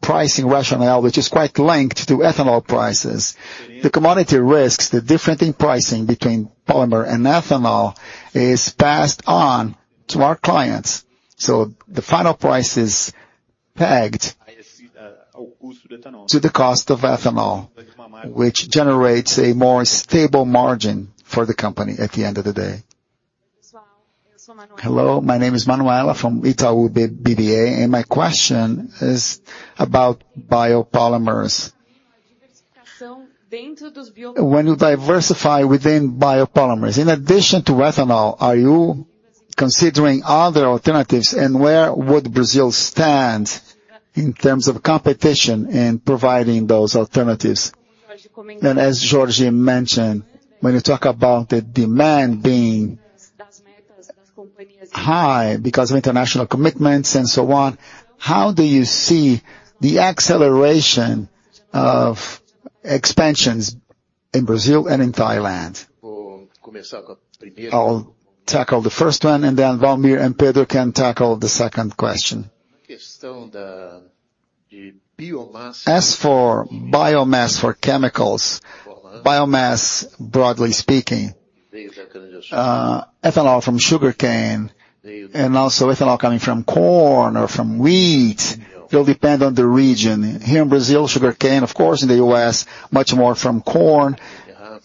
pricing rationale, which is quite linked to ethanol prices. The commodity risks, the difference in pricing between polymer and ethanol is passed on to our clients. The final price is pegged to the cost of ethanol, which generates a more stable margin for the company at the end of the day. Hello, my name is Manuela from Itaú BBA, and my question is about biopolymers. When you diversify within biopolymers, in addition to ethanol, are you considering other alternatives, and where would Brazil stand in terms of competition in providing those alternatives? As Jorge mentioned, when you talk about the demand being high because of international commitments and so on, how do you see the acceleration of expansions in Brazil and in Thailand? I'll tackle the first one, and then Walmir and Pedro can tackle the second question. As for biomass for chemicals, biomass, broadly speaking, ethanol from sugarcane and also ethanol coming from corn or from wheat, it'll depend on the region. Here in Brazil, sugarcane, of course, in the US, much more from corn,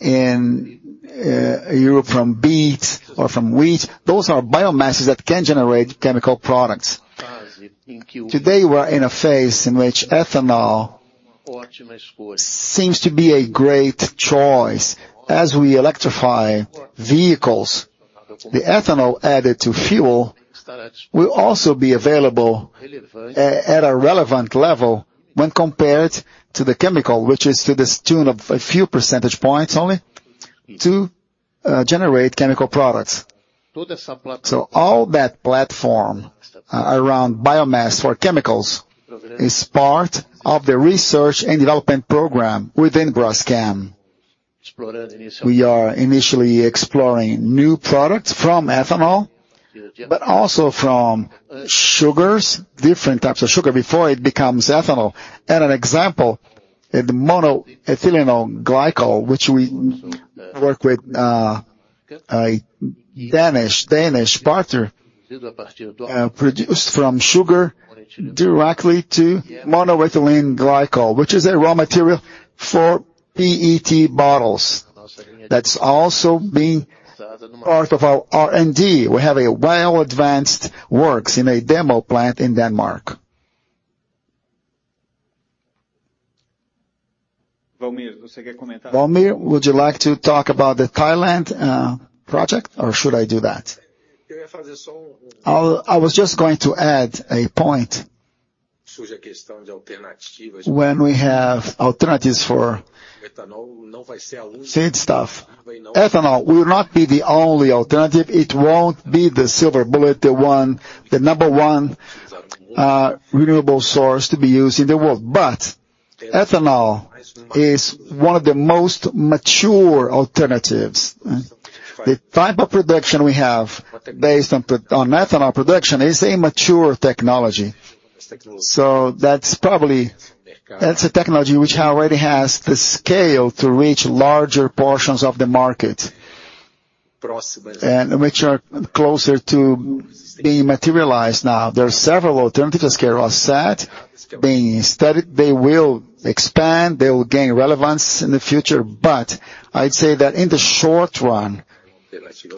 in, Europe from beets or from wheat. Those are biomasses that can generate chemical products. Today, we're in a phase in which ethanol seems to be a great choice. As we electrify vehicles, the ethanol added to fuel will also be available at a relevant level when compared to the chemical, which is to the tune of a few percentage points only. To generate chemical products. All that platform around biomass for chemicals is part of the research and development program within Braskem. We are initially exploring new products from ethanol, but also from sugars, different types of sugar before it becomes ethanol. An example, in the monoethylene glycol, which we work with a Danish partner produced from sugar directly to monoethylene glycol, which is a raw material for PET bottles. That's also being part of our R&D. We have a well-advanced works in a demo plant in Denmark. Walmir, would you like to talk about the Thailand project or should I do that? I was just going to add a point. When we have alternatives for same stuff, ethanol will not be the only alternative. It won't be the silver bullet, the number one renewable source to be used in the world. Ethanol is one of the most mature alternatives. The type of production we have based on ethanol production is a mature technology. That's probably. That's a technology which already has the scale to reach larger portions of the market, and which are closer to being materialized now. There are several alternatives, as Carlos said, being studied. They will expand, they will gain relevance in the future. I'd say that in the short run,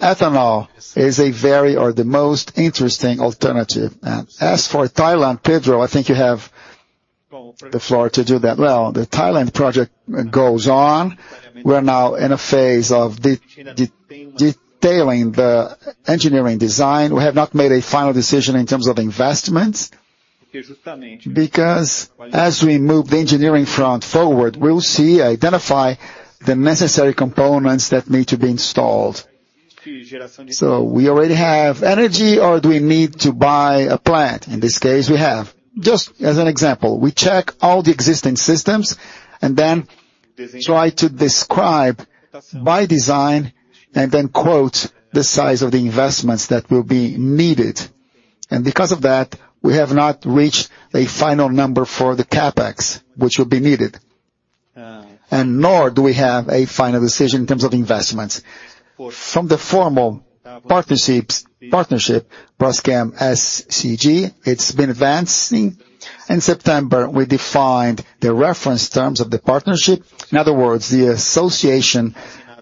ethanol is a very or the most interesting alternative. As for Thailand, Pedro, I think you have the floor to do that. Well, the Thailand project goes on. We're now in a phase of detailing the engineering design. We have not made a final decision in terms of investments because as we move the engineering front forward, we'll see, identify the necessary components that need to be installed. We already have energy or do we need to buy a plant? In this case, we have. Just as an example, we check all the existing systems and then try to detail the design and then quote the size of the investments that will be needed. Because of that, we have not reached a final number for the CapEx, which will be needed. Nor do we have a final decision in terms of investments. From the formal partnership, Braskem SCG, it's been advancing. In September, we defined the reference terms of the partnership. In other words, the association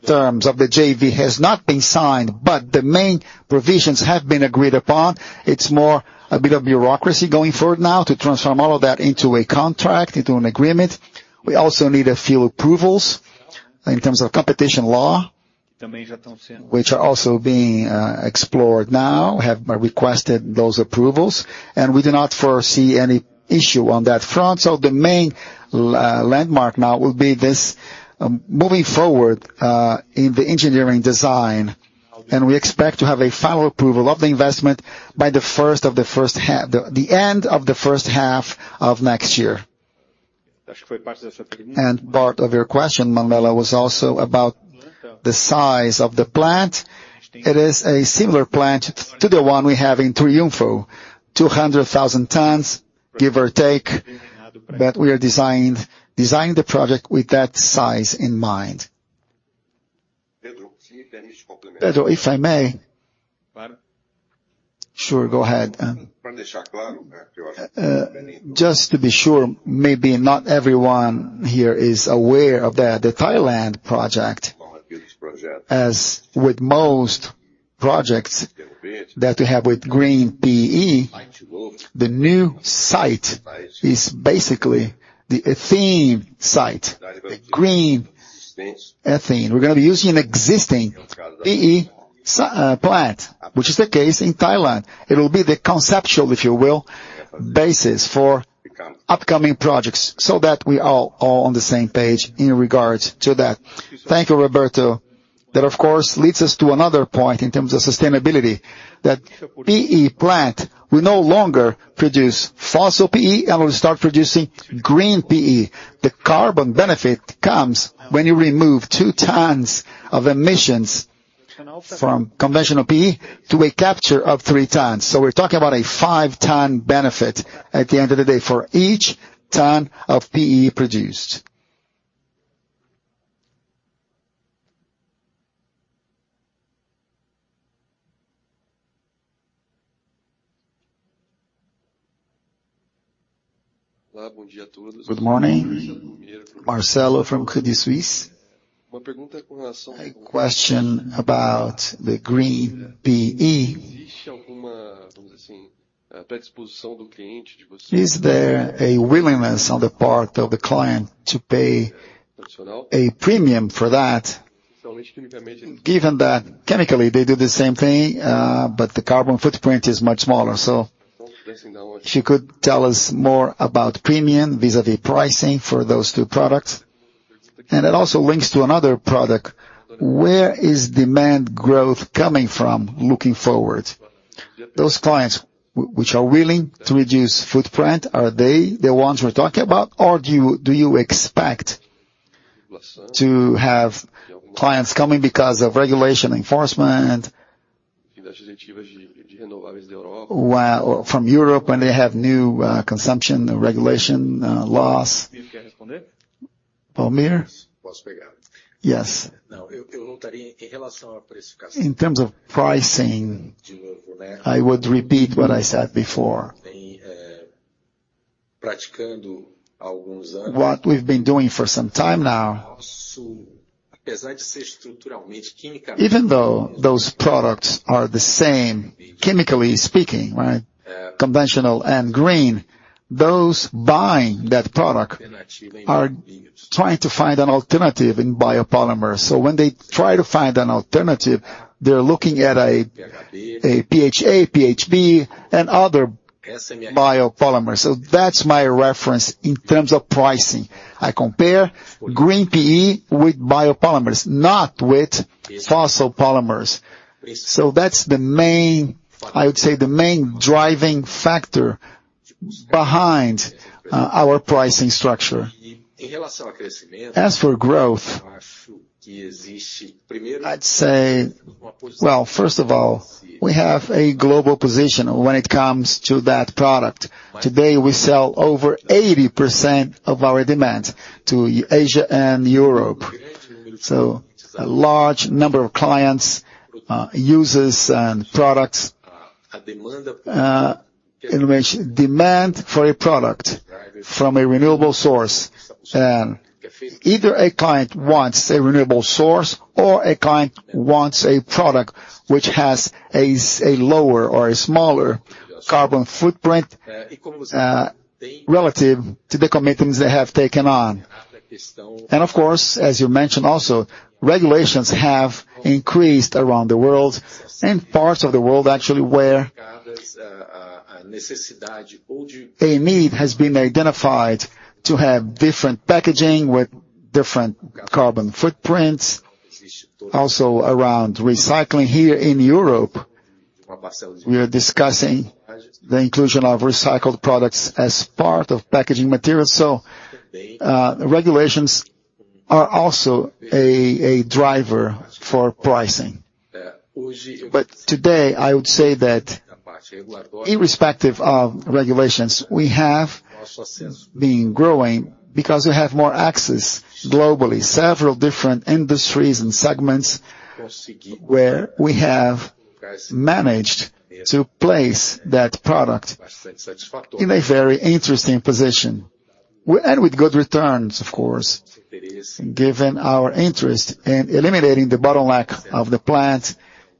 terms of the JV has not been signed, but the main provisions have been agreed upon. It's more a bit of bureaucracy going forward now to transform all of that into a contract, into an agreement. We also need a few approvals in terms of competition law, which are also being explored now. We have requested those approvals. We do not foresee any issue on that front. The main landmark now will be this moving forward in the engineering design. We expect to have a final approval of the investment by the end of the first half of next year. Part of your question, Manuela, was also about the size of the plant. It is a similar plant to the one we have in Triunfo, 200,000 tons, give or take. We are designing the project with that size in mind. Pedro, if I may. Sure. Go ahead. Just to be sure, maybe not everyone here is aware of the Thailand project. As with most projects that we have with Green PE, the new site is basically the ethylene site, the green ethylene. We're gonna be using an existing PE plant, which is the case in Thailand. It will be the conceptual, if you will, basis for upcoming projects so that we are all on the same page in regards to that. Thank you, Roberto. That, of course, leads us to another point in terms of sustainability, that PE plant will no longer produce fossil PE and will start producing Green PE. The carbon benefit comes when you remove 2 tons of emissions from conventional PE to a capture of 3 tons. We're talking about a 5-ton benefit at the end of the day for each ton of PE produced. Good morning. Marcelo from Credit Suisse. A question about the Green PE. Is there a willingness on the part of the client to pay a premium for that? Given that chemically they do the same thing, but the carbon footprint is much smaller. If you could tell us more about premium vis-a-vis pricing for those two products. It also links to another product. Where is demand growth coming from looking forward? Those clients which are willing to reduce footprint, are they the ones we're talking about or do you expect to have clients coming because of regulation enforcement? Why from Europe, when they have new consumption regulation laws. Valmir? Yes. In terms of pricing, I would repeat what I said before. What we've been doing for some time now, even though those products are the same, chemically speaking, right? Conventional and green, those buying that product are trying to find an alternative in biopolymer. When they try to find an alternative, they're looking at a PHA, PHB and other biopolymers. That's my reference in terms of pricing. I compare Green PE with biopolymers, not with fossil polymers. That's the main, I would say, the main driving factor behind our pricing structure. As for growth, I'd say. Well, first of all, we have a global position when it comes to that product. Today, we sell over 80% of our demand to Asia and Europe. A large number of clients, users and products, in which demand for a product from a renewable source. Either a client wants a renewable source or a client wants a product which has a lower or a smaller carbon footprint, relative to the commitments they have taken on. Of course, as you mentioned also, regulations have increased around the world and parts of the world actually where a need has been identified to have different packaging with different carbon footprints. Also around recycling here in Europe, we are discussing the inclusion of recycled products as part of packaging materials. Regulations are also a driver for pricing. Today, I would say that irrespective of regulations, we have been growing because we have more access globally. Several different industries and segments where we have managed to place that product in a very interesting position. With good returns, of course, given our interest in eliminating the bottleneck of the plant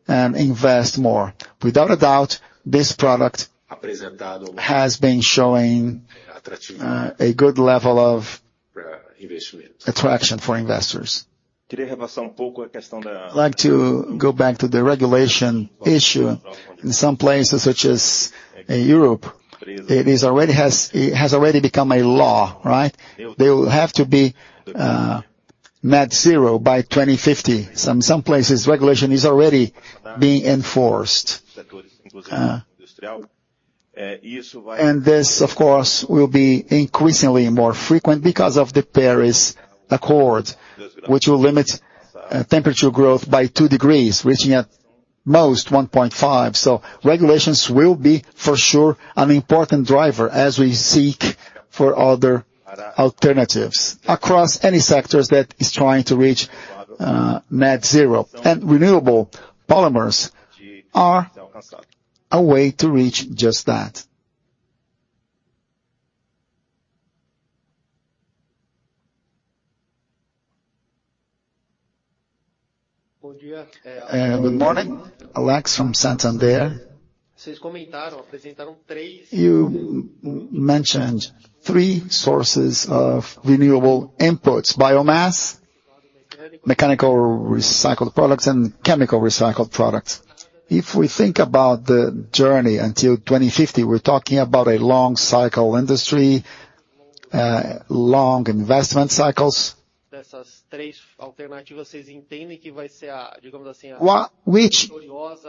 and invest more. Without a doubt, this product has been showing a good level of attraction for investors. I'd like to go back to the regulation issue. In some places, such as Europe, it has already become a law, right? They will have to be net zero by 2050. Some places regulation is already being enforced. This, of course, will be increasingly more frequent because of the Paris Agreement, which will limit temperature growth by 2 degrees, reaching at most 1.5. Regulations will be for sure an important driver as we seek for other alternatives across any sectors that is trying to reach net zero. Renewable polymers are a way to reach just that. Good morning. Alex from Santander. You mentioned three sources of renewable inputs: biomass, mechanically recycled products, and chemically recycled products. If we think about the journey until 2050, we're talking about a long cycle industry, long investment cycles. Which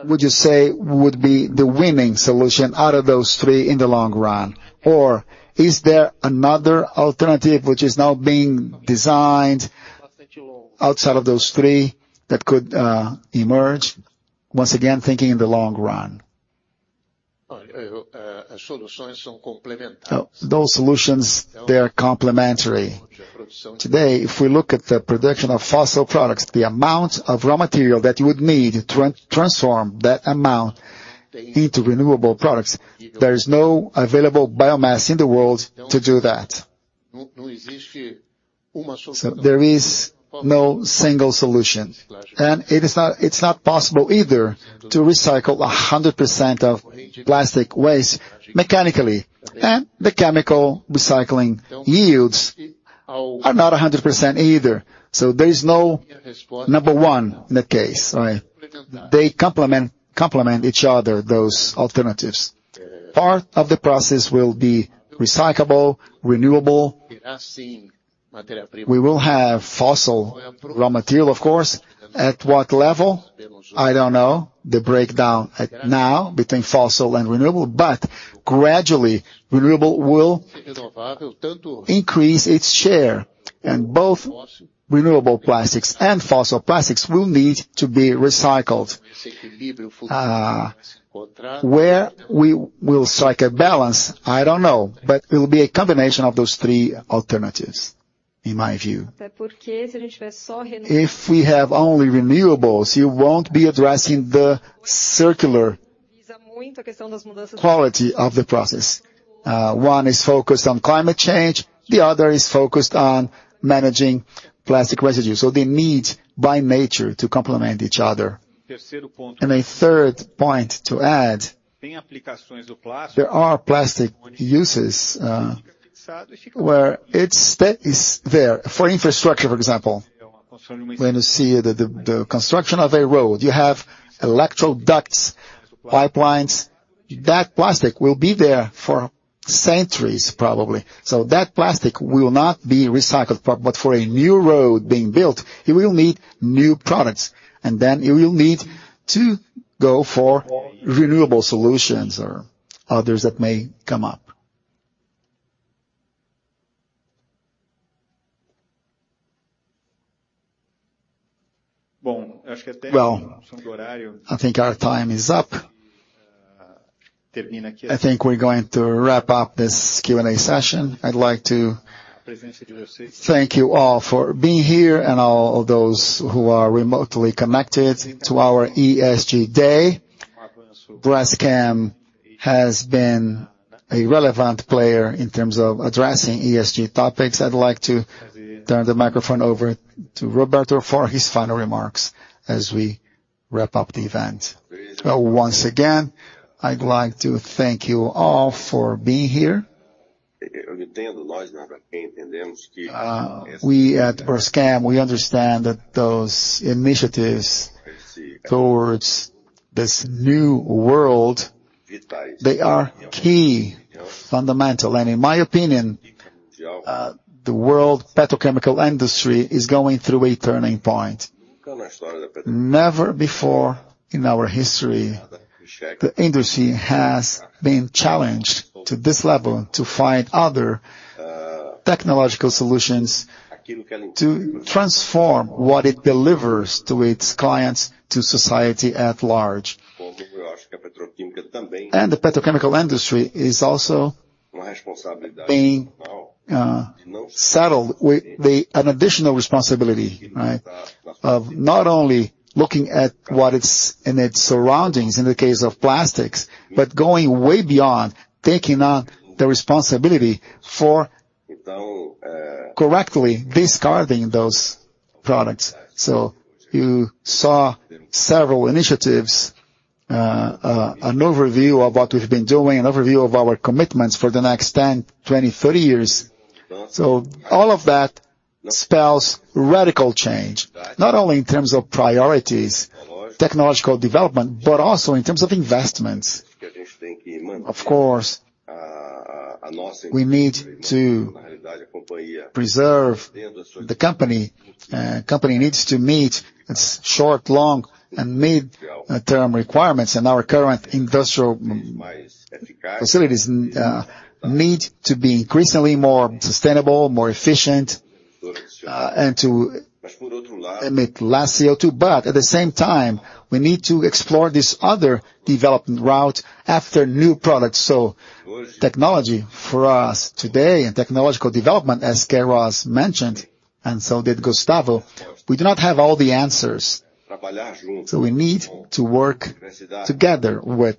would you say would be the winning solution out of those three in the long run? Or is there another alternative which is now being designed outside of those three that could emerge? Once again, thinking in the long run. Those solutions, they are complementary. Today, if we look at the production of fossil products, the amount of raw material that you would need to transform that amount into renewable products, there is no available biomass in the world to do that. So there is no single solution. It is not possible either to recycle 100% of plastic waste mechanically. The chemical recycling yields are not 100% either. There is no number one in that case, right? They complement each other, those alternatives. Part of the process will be recyclable, renewable. We will have fossil raw material, of course. At what level? I don't know the breakdown as of now between fossil and renewable, but gradually, renewable will increase its share, and both renewable plastics and fossil plastics will need to be recycled. Where we will strike a balance, I don't know, but it will be a combination of those three alternatives, in my view. If we have only renewables, you won't be addressing the circular quality of the process. One is focused on climate change, the other is focused on managing plastic residues. They need, by nature, to complement each other. A third point to add, there are plastic uses where its state is there. For infrastructure, for example, when you see the construction of a road, you have electrical ducts, pipelines. That plastic will be there for centuries, probably. So that plastic will not be recycled, but for a new road being built, it will need new products, and then it will need to go for renewable solutions or others that may come up. Well, I think our time is up. I think we're going to wrap up this Q&A session. I'd like to thank you all for being here and all of those who are remotely connected to our ESG day. Braskem has been a relevant player in terms of addressing ESG topics. I'd like to turn the microphone over to Roberto for his final remarks as we wrap up the event. Well, once again, I'd like to thank you all for being here. We at Braskem, we understand that those initiatives towards this new world, they are key, fundamental. In my opinion, the world petrochemical industry is going through a turning point. Never before in our history, the industry has been challenged to this level to find other technological solutions to transform what it delivers to its clients, to society at large. The petrochemical industry is also being saddled with an additional responsibility, right? Of not only looking at what it's in its surroundings in the case of plastics, but going way beyond, taking on the responsibility for correctly discarding those products. You saw several initiatives, an overview of what we've been doing, an overview of our commitments for the next 10, 20, 30 years. All of that spells radical change, not only in terms of priorities, technological development, but also in terms of investments. Of course, we need to preserve the company. Company needs to meet its short, long, and mid-term requirements. Our current industrial facilities need to be increasingly more sustainable, more efficient, and to emit less CO₂. At the same time, we need to explore this other development route for new products. Technology for us today and technological development, as Queiroz mentioned, and so did Gustavo, we do not have all the answers. We need to work together with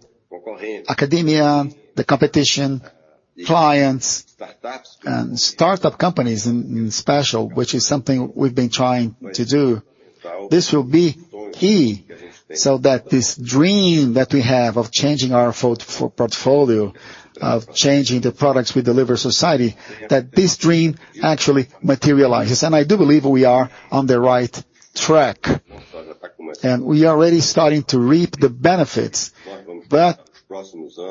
academia, the competition, clients, and startup companies especially, which is something we've been trying to do. This will be key so that this dream that we have of changing our portfolio, of changing the products we deliver to society, that this dream actually materializes. I do believe we are on the right track, and we are already starting to reap the benefits.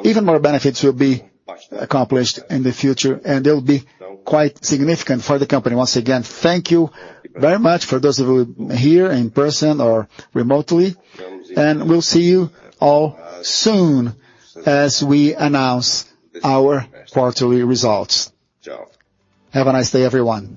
Even more benefits will be accomplished in the future, and they'll be quite significant for the company. Once again, thank you very much for those of you here in person or remotely, and we'll see you all soon as we announce our quarterly results. Have a nice day, everyone.